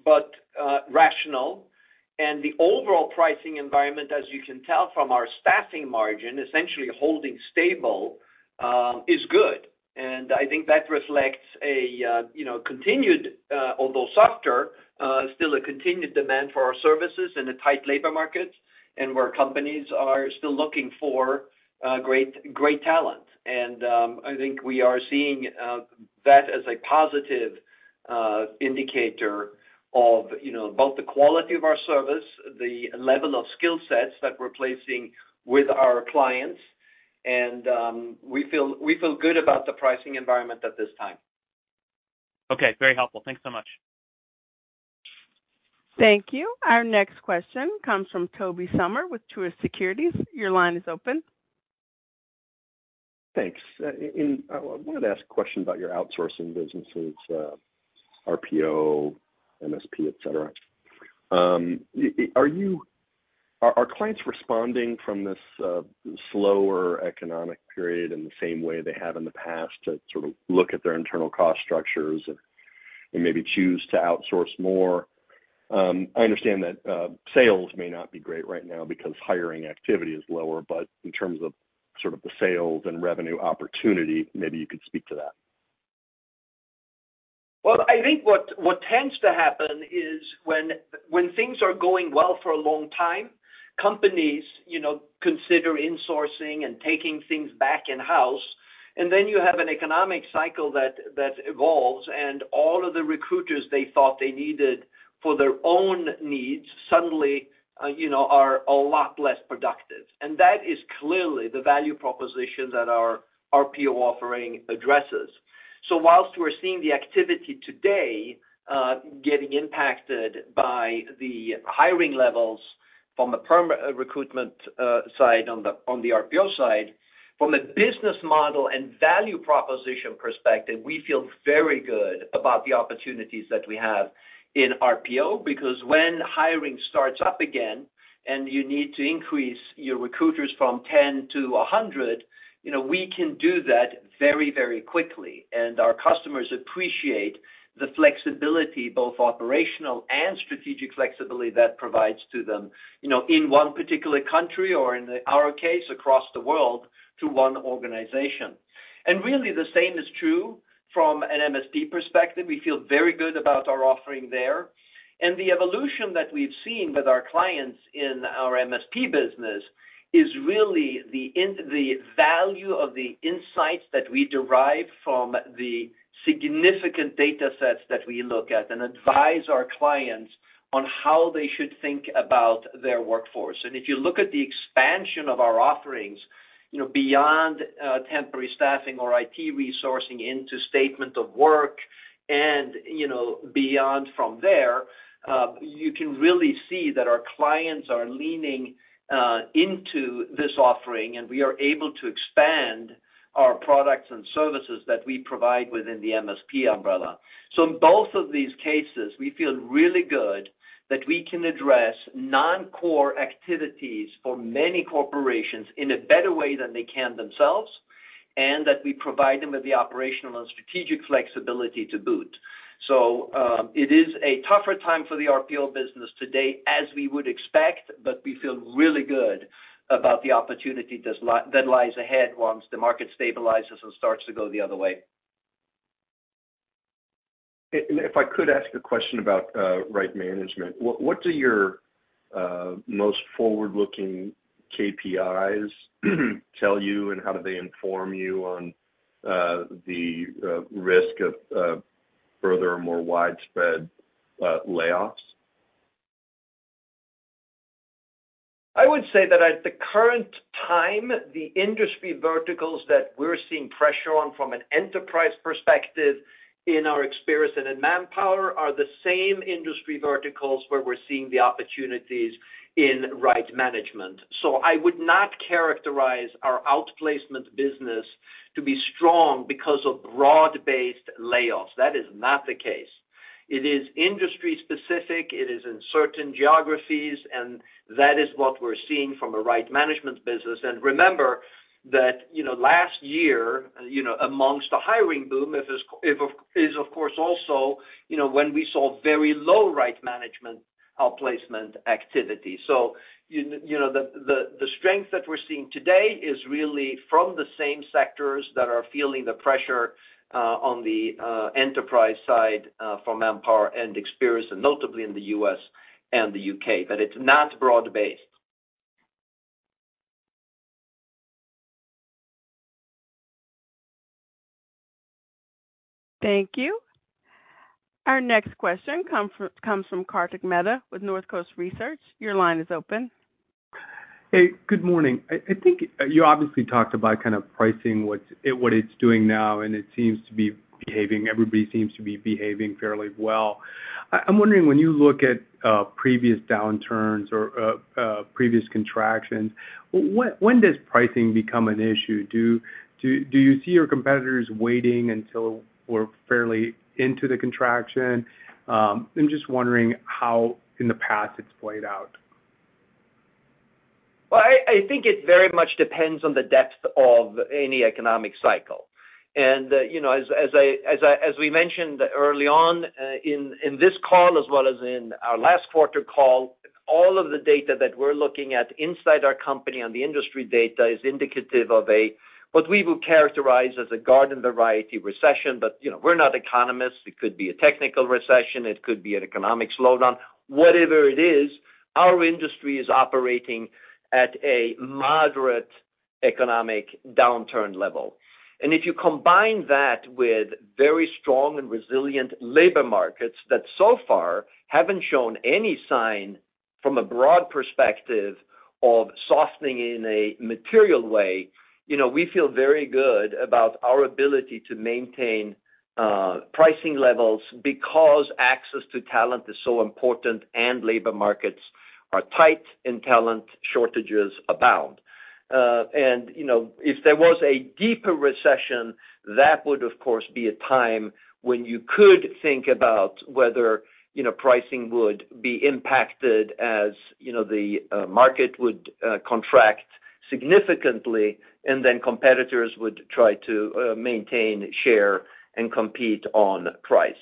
but rational. The overall pricing environment, as you can tell from our staffing margin, essentially holding stable, is good. I think that reflects a, you know, continued, although softer, still a continued demand for our services in a tight labor market, and where companies are still looking for great talent. I think we are seeing that as a positive indicator of, you know, both the quality of our service, the level of skill sets that we're placing with our clients, and we feel good about the pricing environment at this time. Okay. Very helpful. Thanks so much. Thank you. Our next question comes from Tobey Sommer with Truist Securities. Your line is open. Thanks. I wanted to ask a question about your outsourcing businesses, RPO, MSP, et cetera. Are clients responding from this slower economic period in the same way they have in the past to sort of look at their internal cost structures and maybe choose to outsource more? I understand that sales may not be great right now because hiring activity is lower, but in terms of sort of the sales and revenue opportunity, maybe you could speak to that. Well, I think what tends to happen is when things are going well for a long time, companies, you know, consider insourcing and taking things back in-house. Then you have an economic cycle that evolves, and all of the recruiters they thought they needed for their own needs suddenly, you know, are a lot less productive. That is clearly the value proposition that our RPO offering addresses. Whilst we're seeing the activity today, getting impacted by the hiring levels from a perm recruitment side on the RPO side. From a business model and value proposition perspective, we feel very good about the opportunities that we have in RPO, because when hiring starts up again, and you need to increase your recruiters from 10 to 100, you know, we can do that very, very quickly. Our customers appreciate the flexibility, both operational and strategic flexibility, that provides to them, you know, in one particular country or in our case, across the world, to one organization. Really, the same is true from an MSP perspective. We feel very good about our offering there. The evolution that we've seen with our clients in our MSP business is really the value of the insights that we derive from the significant data sets that we look at and advise our clients on how they should think about their workforce. If you look at the expansion of our offerings, you know, beyond temporary staffing or IT resourcing into statement of work and, you know, beyond from there, you can really see that our clients are leaning into this offering, and we are able to expand our products and services that we provide within the MSP umbrella. In both of these cases, we feel really good that we can address non-core activities for many corporations in a better way than they can themselves, and that we provide them with the operational and strategic flexibility to boot. It is a tougher time for the RPO business today, as we would expect, but we feel really good about the opportunity that lies ahead once the market stabilizes and starts to go the other way. If I could ask a question about Right Management. What do your most forward-looking KPIs tell you, and how do they inform you on the risk of further or more widespread layoffs? I would say that at the current time, the industry verticals that we're seeing pressure on from an enterprise perspective in our experience and in Manpower, are the same industry verticals where we're seeing the opportunities in Right Management. I would not characterize our outplacement business to be strong because of broad-based layoffs. That is not the case. It is industry specific, it is in certain geographies, that is what we're seeing from a Right Management business. Remember that, you know, last year, you know, amongst the hiring boom, if of, is of course, also, you know, when we saw very low Right Management outplacement activity. You, you know, the strength that we're seeing today is really from the same sectors that are feeling the pressure on the enterprise side from Manpower and Experis, and notably in the U.S. and the U.K. It's not broad-based. Thank you. Our next question comes from Kartik Mehta with NorthCoast Research. Your line is open. Hey, good morning. I think, you obviously talked about kind of pricing, what it's doing now, and everybody seems to be behaving fairly well. I'm wondering, when you look at previous downturns or previous contractions, when does pricing become an issue? Do you see your competitors waiting until we're fairly into the contraction? I'm just wondering how in the past it's played out. Well, I think it very much depends on the depth of any economic cycle. You know, as we mentioned early on, in this call, as well as in our last quarter call, all of the data that we're looking at inside our company and the industry data is indicative of a, what we would characterize as a garden variety recession. You know, we're not economists. It could be a technical recession, it could be an economic slowdown. Whatever it is, our industry is operating at a moderate economic downturn level. If you combine that with very strong and resilient labor markets, that so far haven't shown any sign from a broad perspective of softening in a material way, you know, we feel very good about our ability to maintain pricing levels, because access to talent is so important and labor markets are tight and talent shortages abound. You know, if there was a deeper recession, that would, of course, be a time when you could think about whether, you know, pricing would be impacted as, you know, the market would contract significantly, and then competitors would try to maintain share, and compete on price.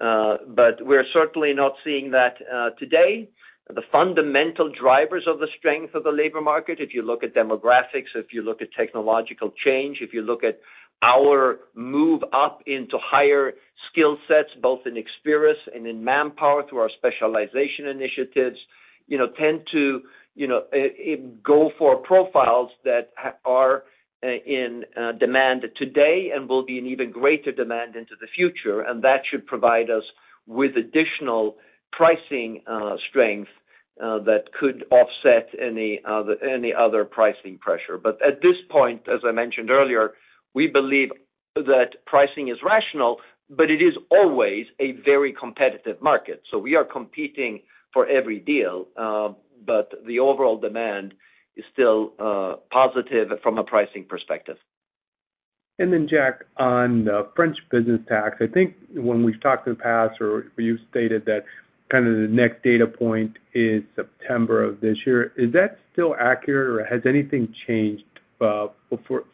We're certainly not seeing that today. The fundamental drivers of the strength of the labor market, if you look at demographics, if you look at technological change, if you look at our move up into higher skill sets, both in Experis and in Manpower, through our specialization initiatives, you know, tend to, you know, go for profiles that are in demand today and will be in even greater demand into the future. That should provide us with additional pricing strength that could offset any other pricing pressure. At this point, as I mentioned earlier, we believe that pricing is rational, but it is always a very competitive market. We are competing for every deal, but the overall demand is still positive from a pricing perspective. Jack, on the French business tax, I think when we've talked in the past, or you've stated that kind of the next data point is September of this year. Is that still accurate, or has anything changed for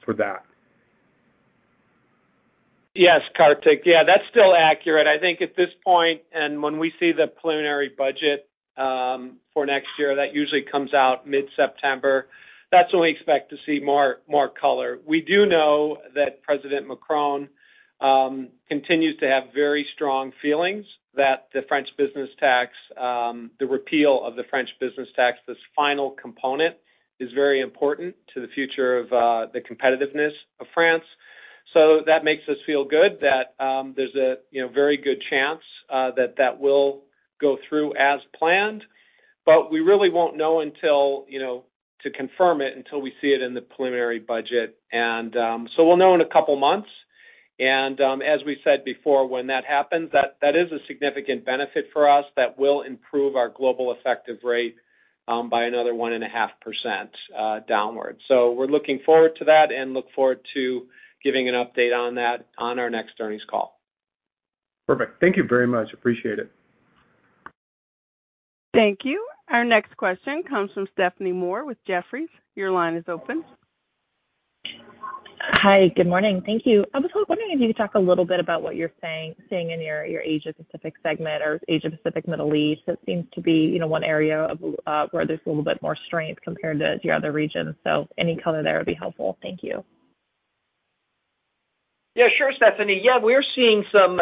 that? Yes, Kartik. Yeah, that's still accurate. I think at this point, when we see the preliminary budget, for next year, that usually comes out mid-September, that's when we expect to see more color. We do know that President Macron continues to have very strong feelings that the French business tax, the repeal of the French business tax, this final component, is very important to the future of the competitiveness of France. That makes us feel good that there's a, you know, very good chance that that will go through as planned. We really won't know until, you know, to confirm it, until we see it in the preliminary budget. We'll know in a couple of months. As we said before, when that happens, that is a significant benefit for us that will improve our global effective rate, by another 1.5% downward. We're looking forward to that and look forward to giving an update on that on our next earnings call. Perfect. Thank you very much. Appreciate it. Thank you. Our next question comes from Stephanie Moore with Jefferies. Your line is open. Hi, good morning. Thank you. I was wondering if you could talk a little bit about what you're seeing in your Asia Pacific segment or Asia Pacific, Middle East. It seems to be, you know, one area of where there's a little bit more strength compared to your other regions. Any color there would be helpful. Thank you. Sure, Stephanie. We're seeing some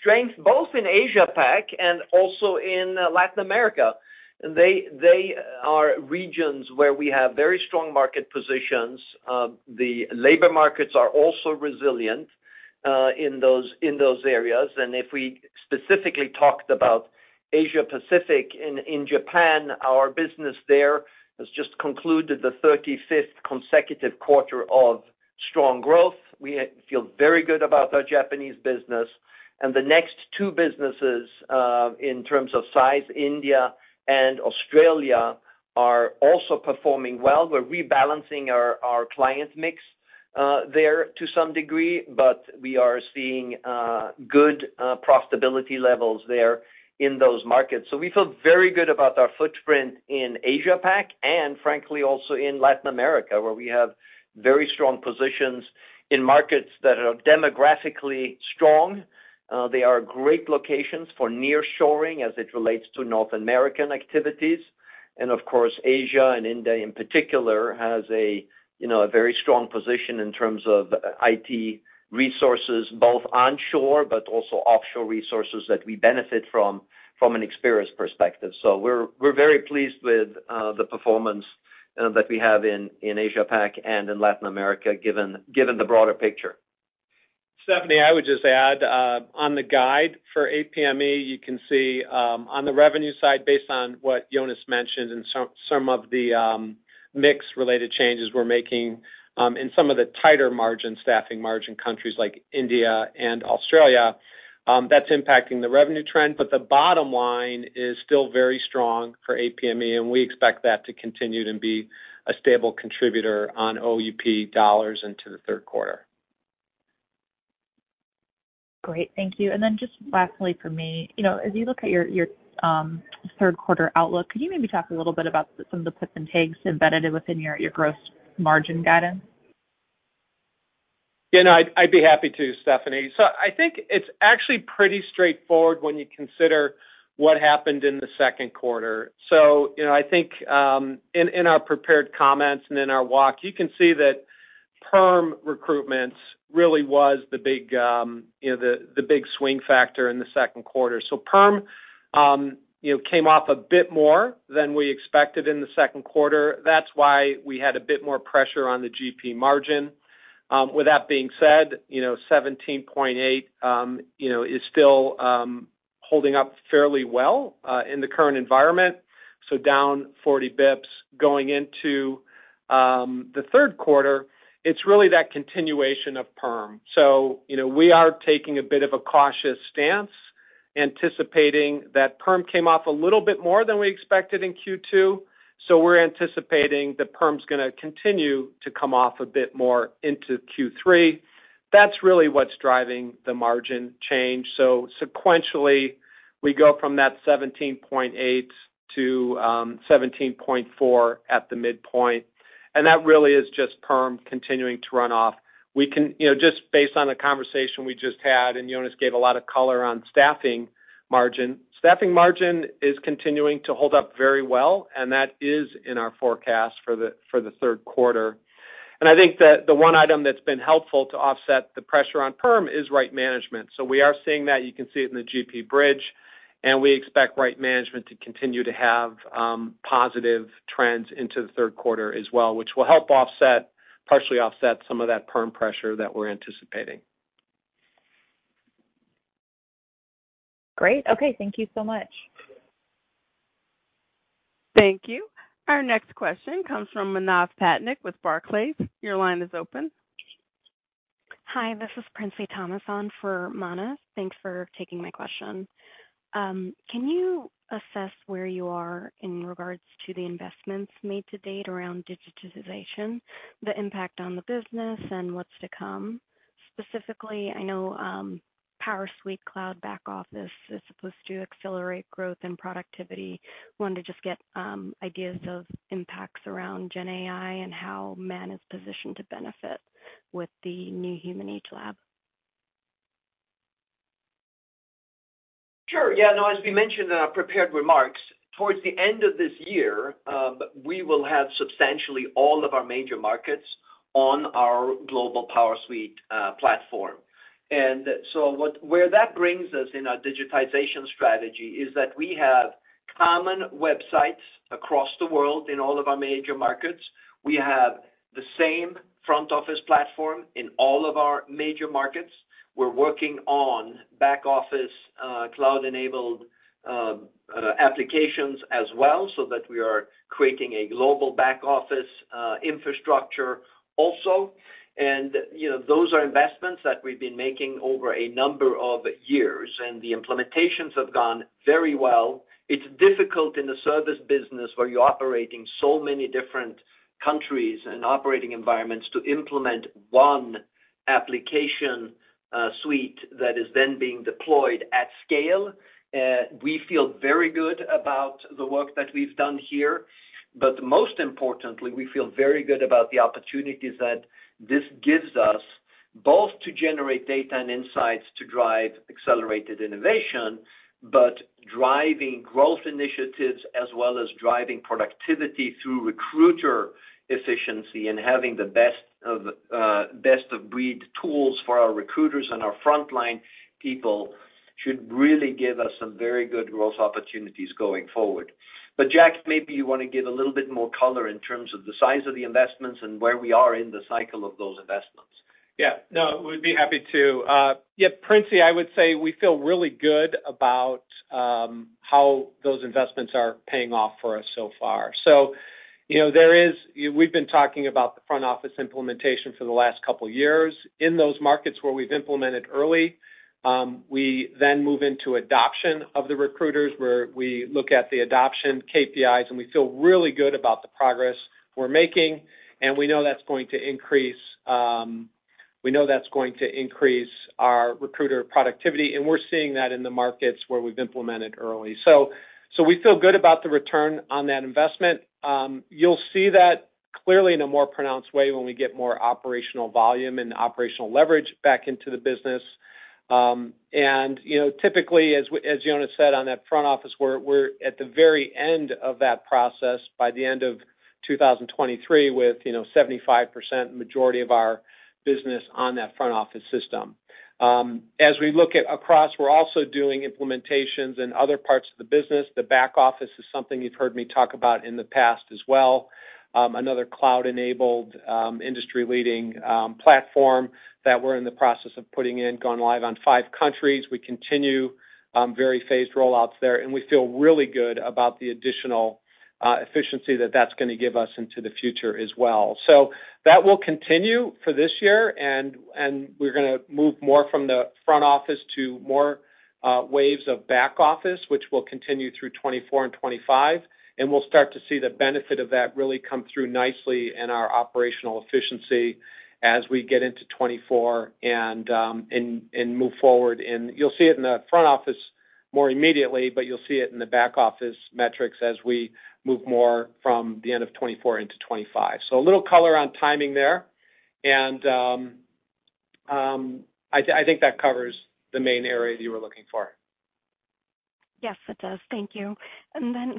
strength both in Asia Pac and also in Latin America. They are regions where we have very strong market positions. The labor markets are also resilient in those areas. If we specifically talked about Asia Pacific, in Japan, our business there has just concluded the 35th consecutive quarter of strong growth. We feel very good about our Japanese business. The next two businesses, in terms of size, India and Australia. are also performing well. We're rebalancing our client mix there to some degree, but we are seeing good profitability levels there in those markets. We feel very good about our footprint in Asia-Pac and frankly, also in Latin America, where we have very strong positions in markets that are demographically strong. They are great locations for nearshoring as it relates to North American activities. Of course, Asia and India in particular, has a, you know, a very strong position in terms of IT resources, both onshore, but also offshore resources that we benefit from an experience perspective. We're very pleased with the performance that we have in Asia-Pac and in Latin America, given the broader picture. Stephanie, I would just add, on the guide for APME, you can see, on the revenue side, based on what Jonas mentioned, and some of the mix-related changes we're making, in some of the tighter margin, staffing margin countries like India and Australia, that's impacting the revenue trend. The bottom line is still very strong for APME, and we expect that to continue to be a stable contributor on OUP dollars into the 3rd quarter. Great, thank you. Just lastly for me, you know, as you look at your third quarter outlook, could you maybe talk a little bit about some of the puts and takes embedded within your gross margin guidance? No, I'd be happy to, Stephanie. I think it's actually pretty straightforward when you consider what happened in the second quarter. You know, I think in our prepared comments and in our walk, you can see that perm recruitments really was the big, you know, the big swing factor in the second quarter. Perm, you know, came off a bit more than we expected in the second quarter. That's why we had a bit more pressure on the GP margin. With that being said, you know, 17.8, you know, is still holding up fairly well in the current environment, so down 40 BPS. Going into the third quarter, it's really that continuation of perm. You know, we are taking a bit of a cautious stance, anticipating that perm came off a little bit more than we expected in Q2, we're anticipating the perm's gonna continue to come off a bit more into Q3. That's really what's driving the margin change. Sequentially, we go from that 17.8% to 17.4% at the midpoint, and that really is just perm continuing to run off. You know, just based on the conversation we just had, and Jonas gave a lot of color on staffing margin. Staffing margin is continuing to hold up very well, and that is in our forecast for the third quarter. I think that the one item that's been helpful to offset the pressure on perm is Right Management. We are seeing that, you can see it in the GP bridge, and we expect Right Management to continue to have positive trends into the third quarter as well, which will help offset, partially offset some of that perm pressure that we're anticipating. Great. Okay, thank you so much. Thank you. Our next question comes from Manav Patnaik with Barclays. Your line is open. Hi, this is Princy Thomas for Manav. Thanks for taking my question. Can you assess where you are in regards to the investments made to date around digitization, the impact on the business and what's to come? Specifically, I know PowerSuite Cloud Back Office is supposed to accelerate growth and productivity. Wanted to just get ideas of impacts around GenAI and how ManpowerGroup is positioned to benefit with the New Human Age lab. Sure, yeah. No, as we mentioned in our prepared remarks, towards the end of this year, we will have substantially all of our major markets on our global PowerSuite platform. Where that brings us in our digitization strategy is that we have common websites across the world in all of our major markets. We have the same front office platform in all of our major markets. We're working on back office, cloud-enabled, applications as well, so that we are creating a global back office infrastructure also. You know, those are investments that we've been making over a number of years, and the implementations have gone very well. It's difficult in the service business, where you're operating so many different countries and operating environments, to implement one application suite that is then being deployed at scale. We feel very good about the work that we've done here, but most importantly, we feel very good about the opportunities that this gives us, both to generate data and insights to drive accelerated innovation, but driving growth initiatives as well as driving productivity through recruiter efficiency and having the best of best of breed tools for our recruiters and our frontline people should really give us some very good growth opportunities going forward. Jack, maybe you want to give a little bit more color in terms of the size of the investments and where we are in the cycle of those investments. Yeah. No, we'd be happy to. Yeah, Princy, I would say we feel really good about how those investments are paying off for us so far. You know, we've been talking about the front office implementation for the last couple of years. In those markets where we've implemented early, we then move into adoption of the recruiters, where we look at the adoption KPIs, and we feel really good about the progress we're making, and we know that's going to increase our recruiter productivity, and we're seeing that in the markets where we've implemented early. We feel good about the return on that investment. You'll see that clearly in a more pronounced way when we get more operational volume and operational leverage back into the business. You know, typically, as Jonas said, on that front office, we're at the very end of that process by the end of 2023, with, you know, 75% majority of our business on that front office system. As we look at across, we're also doing implementations in other parts of the business. The back office is something you've heard me talk about in the past as well. Another cloud-enabled, industry-leading, platform that we're in the process of putting in, gone live on five countries. We continue very phased rollouts there, and we feel really good about the additional efficiency that that's gonna give us into the future as well. That will continue for this year, and we're gonna move more from the front office to more waves of back office, which will continue through 2024 and 2025. We'll start to see the benefit of that really come through nicely in our operational efficiency as we get into 2024 and move forward. You'll see it in the front office more immediately, but you'll see it in the back office metrics as we move more from the end of 2024 into 2025. A little color on timing there. I think that covers the main area that you were looking for. Yes, it does. Thank you.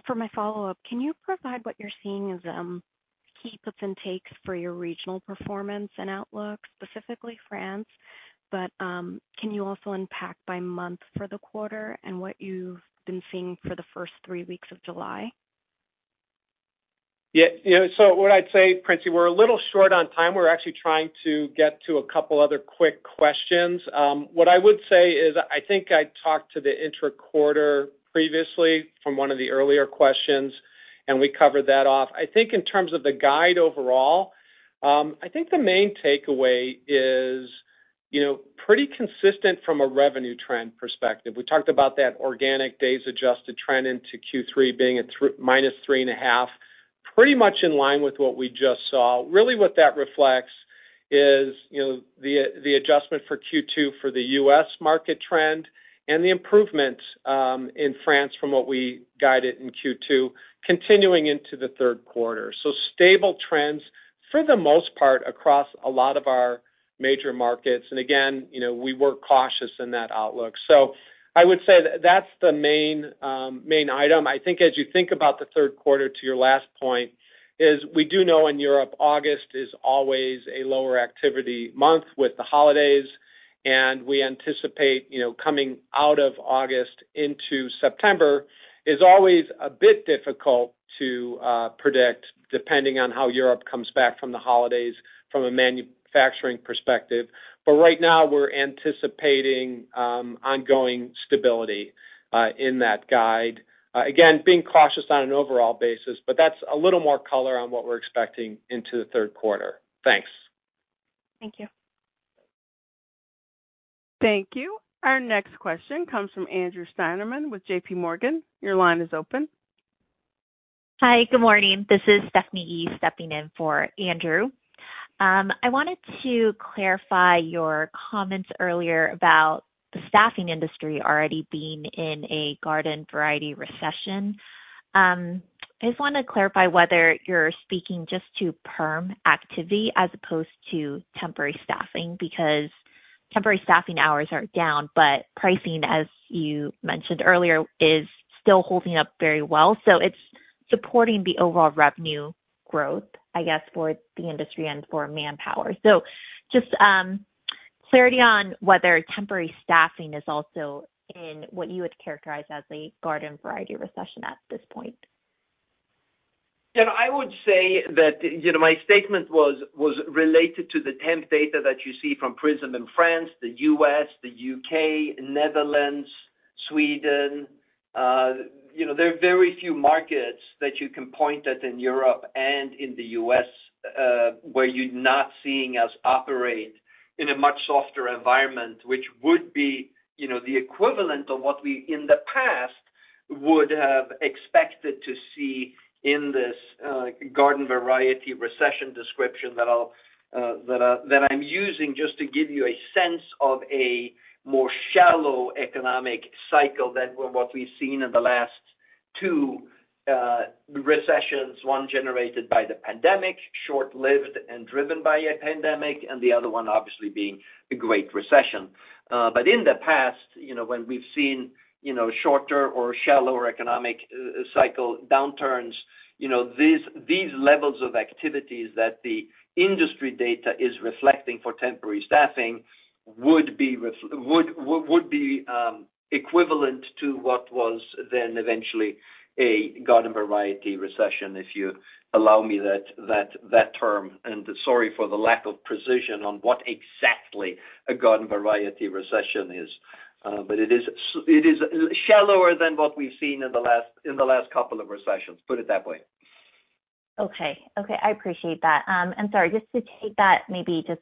For my follow-up, can you provide what you're seeing as, keeps and takes for your regional performance and outlook, specifically France? Can you also unpack by month for the quarter and what you've been seeing for the first three weeks of July? You know, what I'd say, Princy, we're a little short on time. We're actually trying to get to a couple other quick questions. What I would say is, I think I talked to the intra-quarter previously from one of the earlier questions, we covered that off. I think in terms of the guide overall, I think the main takeaway is, you know, pretty consistent from a revenue trend perspective. We talked about that organic days adjusted trend into Q3 being at -3.5%, pretty much in line with what we just saw. Really, what that reflects is, you know, the adjustment for Q2 for the U.S. market trend and the improvement in France from what we guided in Q2, continuing into the third quarter. Stable trends, for the most part, across a lot of our major markets. Again, you know, we were cautious in that outlook. I would say that's the main main item. I think as you think about the third quarter, to your last point, is we do know in Europe, August is always a lower activity month with the holidays, we anticipate, you know, coming out of August into September is always a bit difficult to predict, depending on how Europe comes back from the holidays from a manufacturing perspective. Right now, we're anticipating ongoing stability in that guide. Again, being cautious on an overall basis, that's a little more color on what we're expecting into the third quarter. Thanks. Thank you. Thank you. Our next question comes from Andrew Steinerman with J.P. Morgan. Your line is open. Hi, good morning. This is Stephanie Yee, stepping in for Andrew. I wanted to clarify your comments earlier about the staffing industry already being in a garden variety recession. I just wanna clarify whether you're speaking just to perm activity as opposed to temporary staffing, because temporary staffing hours are down, but pricing, as you mentioned earlier, is still holding up very well. It's supporting the overall revenue growth, I guess, for the industry and for Manpower. Just clarity on whether temporary staffing is also in what you would characterize as a garden variety recession at this point. I would say that, you know, my statement was related to the temp data that you see from Prism'emploi in France, the U.S., the U.K., Netherlands, Sweden. You know, there are very few markets that you can point at in Europe and in the U.S., where you're not seeing us operate in a much softer environment, which would be, you know, the equivalent of what we, in the past, would have expected to see in this garden variety recession description that I'm using just to give you a sense of a more shallow economic cycle than what we've seen in the last two recessions, one generated by the pandemic, short-lived and driven by a pandemic, and the other one obviously being the Great Recession. In the past, you know, when we've seen, you know, shorter or shallower economic cycle downturns, you know, these levels of activities that the industry data is reflecting for temporary staffing would be equivalent to what was then eventually a garden variety recession, if you allow me that term. Sorry for the lack of precision on what exactly a garden variety recession is. It is shallower than what we've seen in the last couple of recessions, put it that way. Okay, okay, I appreciate that. Sorry, just to take that, maybe just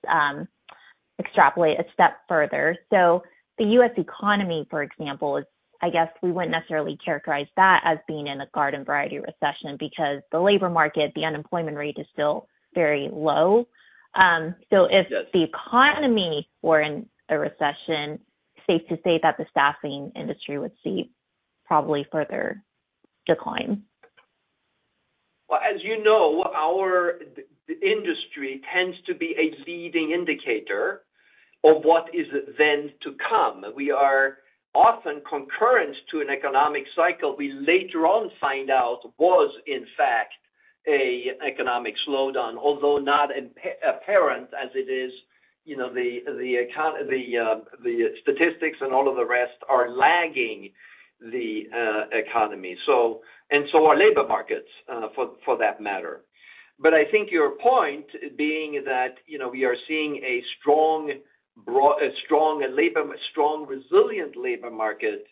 extrapolate a step further. The U.S. economy, for example, I guess we wouldn't necessarily characterize that as being in a garden variety recession because the labor market, the unemployment rate is still very low. If the economy were in a recession, safe to say that the staffing industry would see probably further decline? As you know, the industry tends to be a leading indicator of what is then to come. We are often concurrent to an economic cycle, we later on find out, was, in fact, a economic slowdown, although not apparent as it is, you know, the statistics and all of the rest are lagging the economy. And so are labor markets for that matter. I think your point being that, you know, we are seeing a strong labor, a strong, resilient labor market,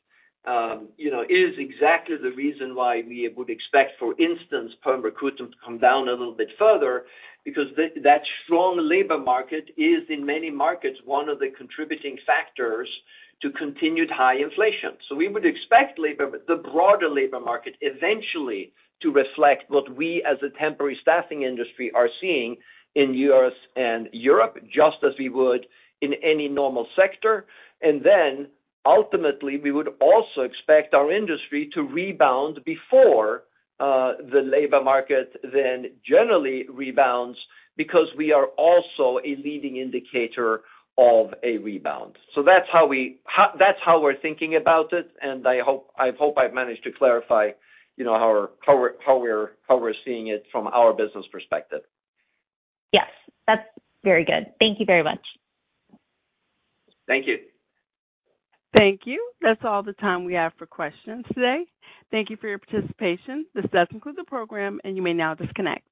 you know, is exactly the reason why we would expect, for instance, perm recruitment to come down a little bit further. Because that strong labor market is, in many markets, one of the contributing factors to continued high inflation. We would expect labor, the broader labor market, eventually to reflect what we, as a temporary staffing industry, are seeing in U.S. and Europe, just as we would in any normal sector. Ultimately, we would also expect our industry to rebound before the labor market, then generally rebounds, because we are also a leading indicator of a rebound. That's how we're thinking about it, and I hope, I hope I've managed to clarify, you know, how we're seeing it from our business perspective. Yes, that's very good. Thank you very much. Thank you. Thank you. That's all the time we have for questions today. Thank you for your participation. This does conclude the program, and you may now disconnect.